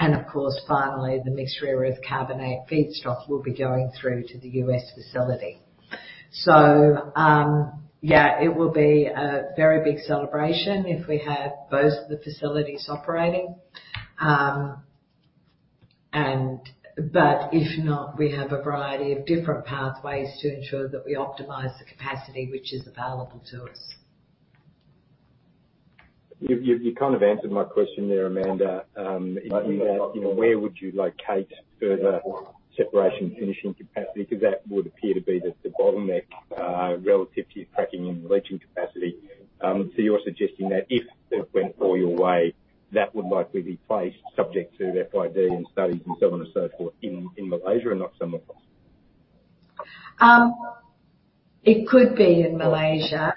And of course, finally, the Mixed Rare Earth Carbonate feedstock will be going through to the U.S. facility. So yeah, it will be a very big celebration if we have both of the facilities operating. But if not, we have a variety of different pathways to ensure that we optimize the capacity which is available to us.... You kind of answered my question there, Amanda. In that, you know, where would you locate further separation finishing capacity? Because that would appear to be the bottleneck relative to your cracking and leaching capacity. So you're suggesting that if it went all your way, that would likely be placed subject to FID and studies and so on and so forth, in Malaysia and not somewhere else? It could be in Malaysia.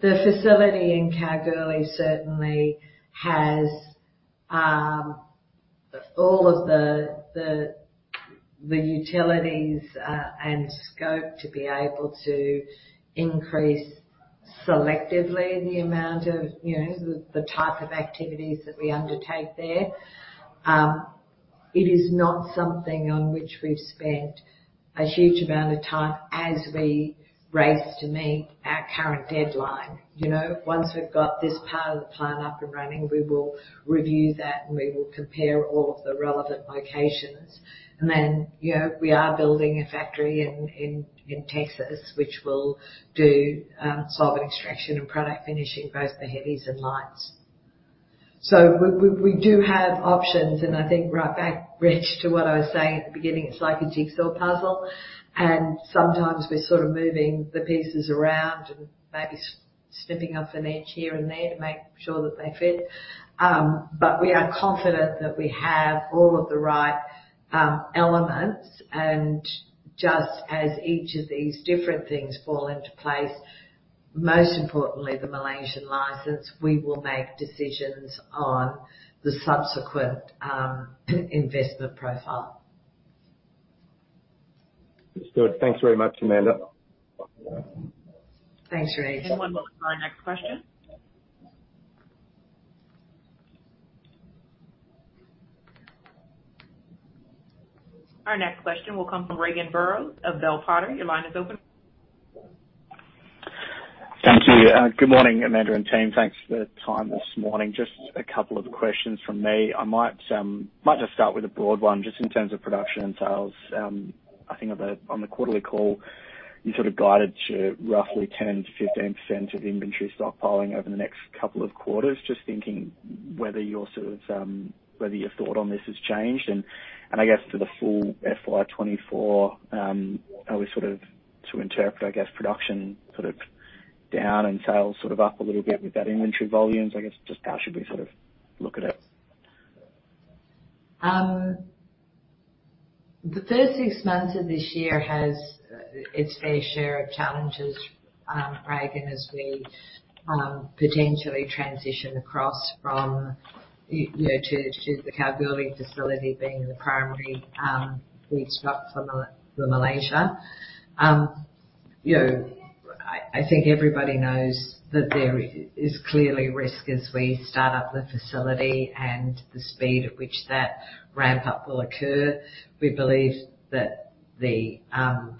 The facility in Kalgoorlie certainly has all of the utilities and scope to be able to increase selectively the amount of, you know, the type of activities that we undertake there. It is not something on which we've spent a huge amount of time as we race to meet our current deadline. You know, once we've got this part of the plan up and running, we will review that, and we will compare all of the relevant locations. And then, you know, we are building a factory in Texas, which will do solvent extraction and product finishing, both the heavies and lights. So we do have options, and I think right back, Reg, to what I was saying at the beginning, it's like a jigsaw puzzle, and sometimes we're sort of moving the pieces around and maybe snipping off an edge here and there to make sure that they fit. But we are confident that we have all of the right elements, and just as each of these different things fall into place, most importantly, the Malaysian license, we will make decisions on the subsequent investment profile. That's good. Thanks very much, Amanda. Thanks, Reg. One moment for our next question. Our next question will come from Regan Burrows of Bell Potter. Your line is open. Thank you. Good morning, Amanda and team. Thanks for the time this morning. Just a couple of questions from me. I might just start with a broad one, just in terms of production and sales. I think on the quarterly call, you sort of guided to roughly 10%-15% of inventory stockpiling over the next couple of quarters. Just thinking whether your thought on this has changed, and I guess to the full FY 2024, are we sort of to interpret, I guess, production sort of down and sales sort of up a little bit with that inventory volumes? I guess, just how should we sort of look at it? The first six months of this year has its fair share of challenges, Regan, as we potentially transition across from, you know, to the Kalgoorlie facility being the primary feedstock for Malaysia. You know, I think everybody knows that there is clearly risk as we start up the facility and the speed at which that ramp-up will occur. We believe that the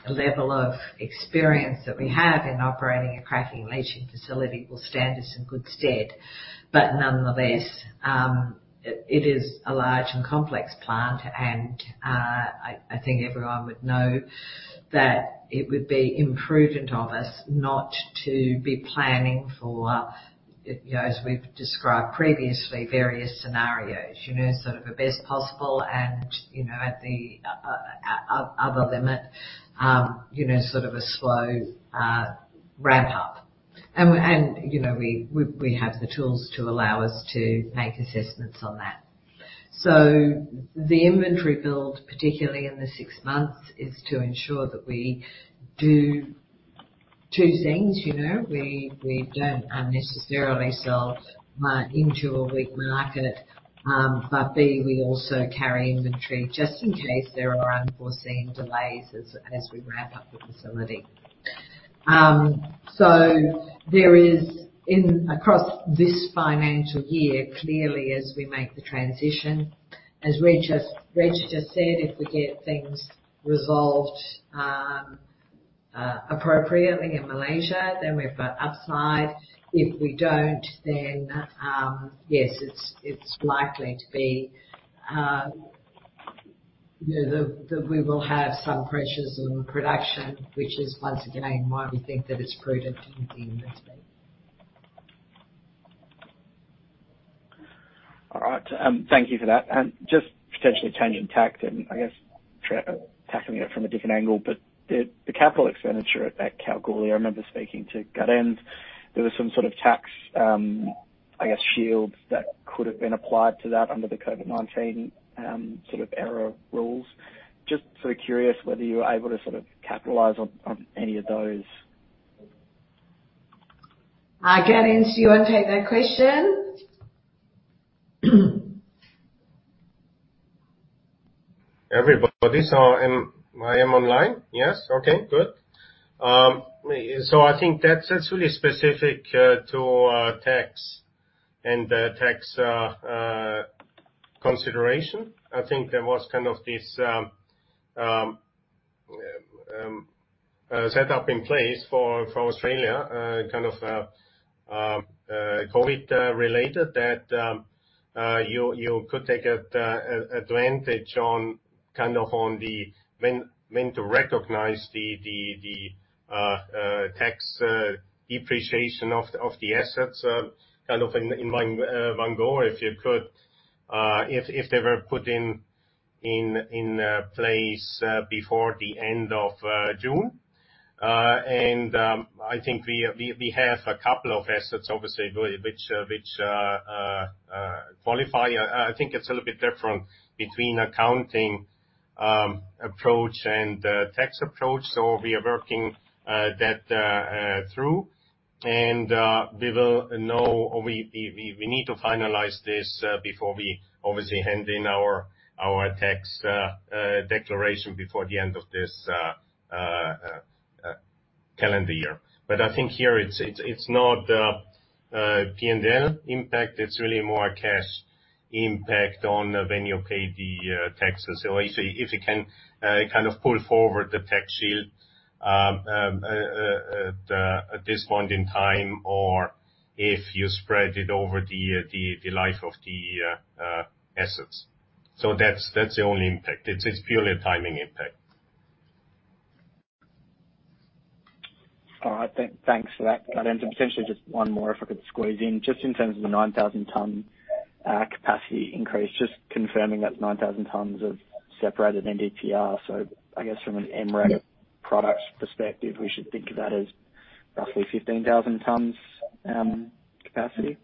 level of experience that we have in operating a cracking and leaching facility will stand us in good stead. But nonetheless, it is a large and complex plant, and I think everyone would know that it would be imprudent of us not to be planning for, you know, as we've described previously, various scenarios. You know, sort of a best possible and, you know, at the other limit, you know, sort of a slow ramp up. And you know, we have the tools to allow us to make assessments on that. So the inventory build, particularly in the six months, is to ensure that we do two things, you know. We don't unnecessarily sell into a weak market, but B, we also carry inventory just in case there are unforeseen delays as we ramp up the facility. So there is in across this financial year, clearly, as we make the transition, as Reg has, Reg just said, if we get things resolved appropriately in Malaysia, then we've got upside. If we don't, then, yes, it's likely to be, you know, that we will have some pressures on production, which is once again why we think that it's prudent to build the inventory. All right, thank you for that. And just potentially changing tact and I guess, tackling it from a different angle, but the capital expenditure at Kalgoorlie, I remember speaking to Gaudenz. There was some sort of tax, I guess, shields that could have been applied to that under the COVID-19, sort of era rules. Just sort of curious whether you were able to sort of capitalize on, on any of those. Gaudenz, do you want to take that question? Everybody, so am I online? Yes. Okay, good. So I think that's actually specific to tax and tax consideration. I think there was kind of this setup in place for Australia, kind of COVID related, that you could take an advantage on, kind of, on the when, when to recognize the tax depreciation of the assets, kind of, in one go, if you could, if they were put in place before the end of June. And I think we have a couple of assets, obviously, which qualify. I think it's a little bit different between accounting approach and tax approach, so we are working that through. And we will know. We need to finalize this before we obviously hand in our tax declaration before the end of this calendar year. But I think here, it's not P&L impact. It's really more a cash impact on when you pay the taxes. So if you can kind of pull forward the tax shield at this point in time, or if you spread it over the life of the assets. So that's the only impact. It's purely a timing impact. All right, thanks for that answer. Potentially just one more, if I could squeeze in. Just in terms of the 9,000-ton capacity increase, just confirming that's 9,000 tons of separated NdPr. So I guess from an MREC product perspective, we should think of that as roughly 15,000 tons capacity?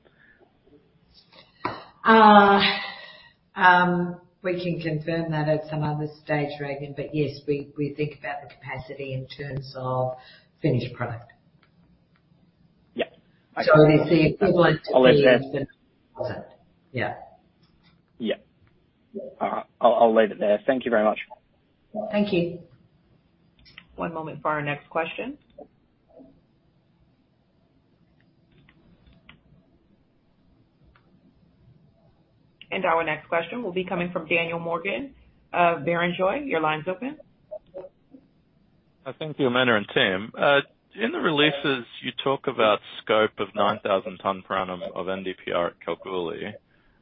We can confirm that at some other stage, Regan, but yes, we think about the capacity in terms of finished product. Yeah. So you see, if you want to- I'll leave that. Okay. Yeah. Yeah. I'll, I'll leave it there. Thank you very much. Thank you. One moment for our next question. Our next question will be coming from Daniel Morgan of Barrenjoey. Your line's open. Thank you, Amanda and team. In the releases, you talk about scope of 9,000 tons per annum of NdPr at Kalgoorlie.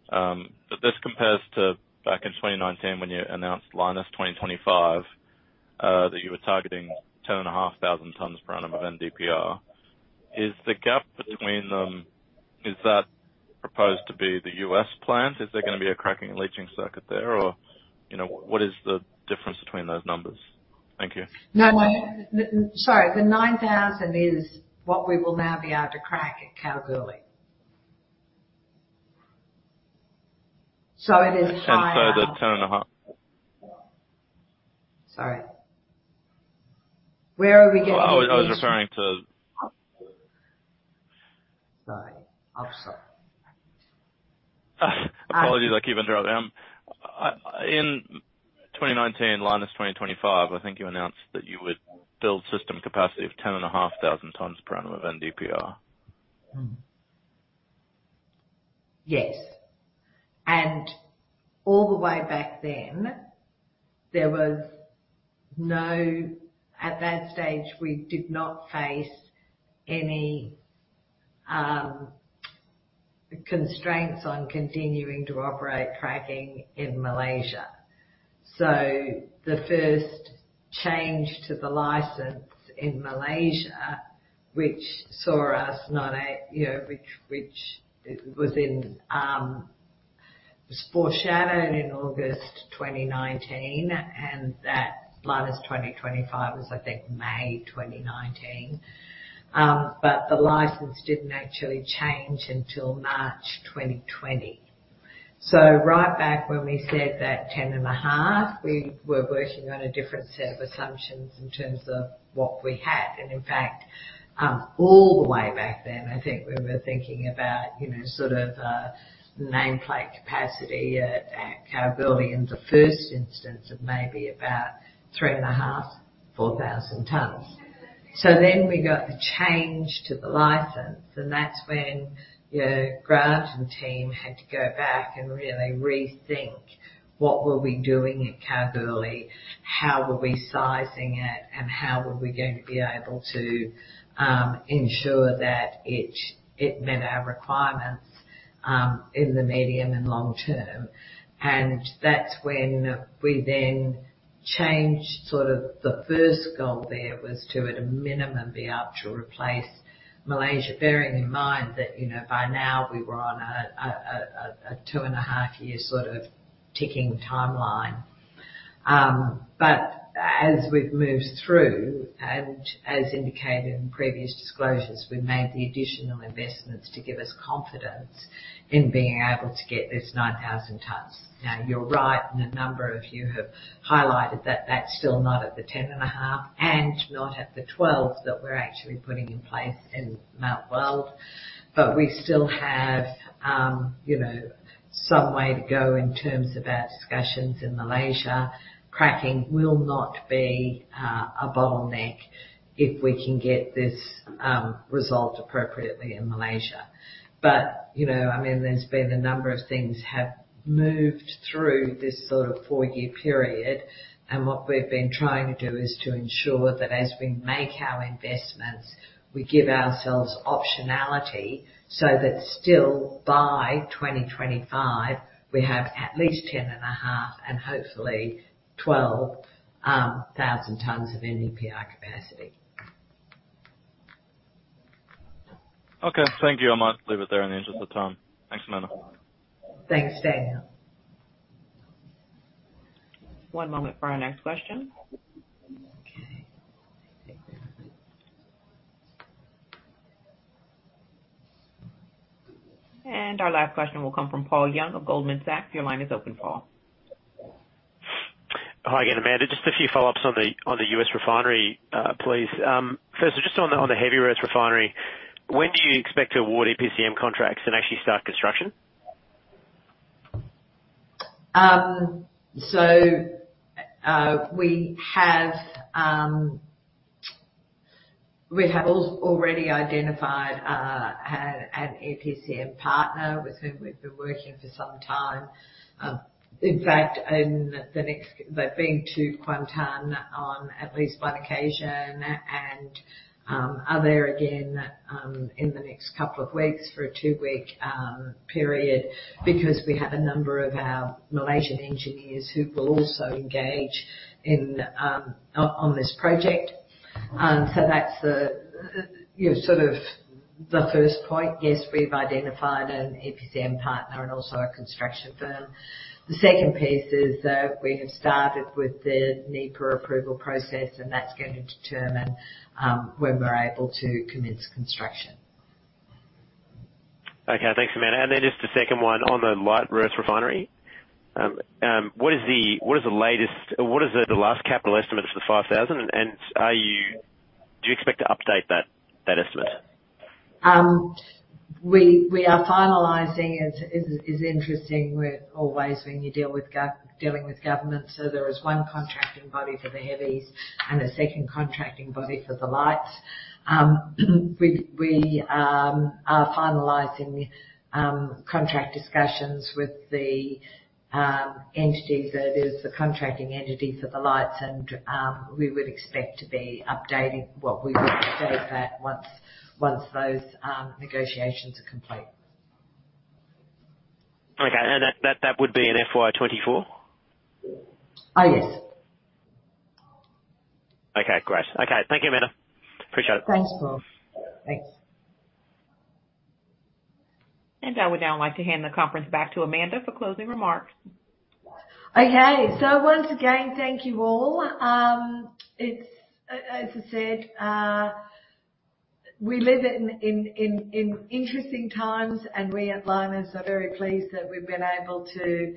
But this compares to back in 2019, when you announced Lynas 2025, that you were targeting 10,500 tons per annum of NdPr. Is the gap between... Is that proposed to be the U.S. plant? Is there gonna be a cracking and leaching circuit there, or, you know, what is the difference between those numbers? Thank you. No. Sorry, the 9,000 is what we will now be able to crack at Kalgoorlie. So it is higher- And so the 10.5? Sorry, where are we getting- I was referring to... Sorry. I'm sorry. Apologies, I keep interrupting. In 2019, Lynas 2025, I think you announced that you would build system capacity of 10,500 tons per annum of NdPr. Yes, and all the way back then, there was no at that stage, we did not face any constraints on continuing to operate cracking in Malaysia. So the first change to the license in Malaysia, which saw us not, you know, which was foreshadowed in August 2019, and that Lynas 2025 was, I think, May 2019. But the license didn't actually change until March 2020. So right back when we said that 10.5, we were working on a different set of assumptions in terms of what we had. And in fact, all the way back then, I think we were thinking about, you know, sort of nameplate capacity at Kalgoorlie in the first instance of maybe about 3.5-4,000 tons. So then we got the change to the license, and that's when, you know, Grant and team had to go back and really rethink, what were we doing at Kalgoorlie, how were we sizing it, and how were we going to be able to ensure that it met our requirements in the medium and long term? And that's when we then changed, sort of, the first goal there was to, at a minimum, be able to replace Malaysia, bearing in mind that, you know, by now, we were on a 2.5-year sort of ticking timeline. But as we've moved through, and as indicated in previous disclosures, we've made the additional investments to give us confidence in being able to get this 9,000 tons. Now, you're right, and a number of you have highlighted that that's still not at the 10.5 and not at the 12 that we're actually putting in place in Mount Weld. But we still have, you know, some way to go in terms of our discussions in Malaysia. Cracking will not be a bottleneck if we can get this resolved appropriately in Malaysia. But, you know, I mean, there's been a number of things have moved through this sort of 4-year period, and what we've been trying to do is to ensure that as we make our investments, we give ourselves optionality, so that still by 2025, we have at least 10.5, and hopefully more, 12,000 tons of NdPr capacity. Okay, thank you. I'm going to leave it there in the interest of time. Thanks, Amanda. Thanks, Dan. One moment for our next question. Okay. Our last question will come from Paul Young of Goldman Sachs. Your line is open, Paul. Hi again, Amanda. Just a few follow-ups on the U.S. refinery, please. First, just on the heavy rare earths refinery, when do you expect to award EPCM contracts and actually start construction? So, we have already identified an EPCM partner with whom we've been working for some time. In fact, in the next, they've been to Kuantan on at least one occasion and are there again in the next couple of weeks for a 2-week period, because we have a number of our Malaysian engineers who will also engage in on this project. And so that's the, you know, sort of the first point. Yes, we've identified an EPCM partner and also a construction firm. The second piece is that we have started with the NEPA approval process, and that's going to determine when we're able to commence construction. Okay. Thanks, Amanda. And then just the second one on the light rare earth refinery. What is the latest—what is the last capital estimate for the 5,000? And, are you, do you expect to update that estimate? We are finalizing. It's interesting with always when you deal with dealing with government. So there is one contracting body for the heavies and a second contracting body for the lights. We are finalizing contract discussions with the entities, that is, the contracting entity for the lights, and we would expect to be updating what we would say that once those negotiations are complete. Okay. And that, that would be in FY 2024? Ah, yes. Okay, great. Okay. Thank you, Amanda. Appreciate it. Thanks, Paul. Thanks. I would now like to hand the conference back to Amanda for closing remarks. Okay. So once again, thank you, all. It's, as I said, we live in interesting times, and we at Lynas are very pleased that we've been able to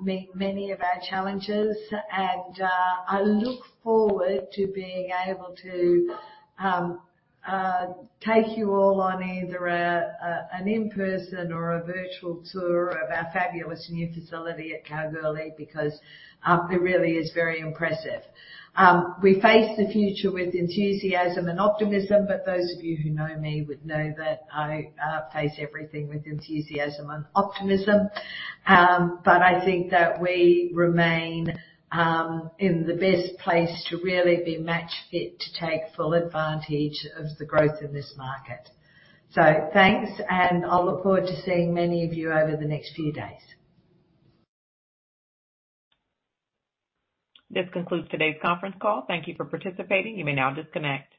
meet many of our challenges. I look forward to being able to take you all on either an in-person or a virtual tour of our fabulous new facility at Kalgoorlie, because it really is very impressive. We face the future with enthusiasm and optimism, but those of you who know me would know that I face everything with enthusiasm and optimism. But I think that we remain in the best place to really be match fit to take full advantage of the growth in this market. So thanks, and I'll look forward to seeing many of you over the next few days. This concludes today's conference call. Thank you for participating. You may now disconnect.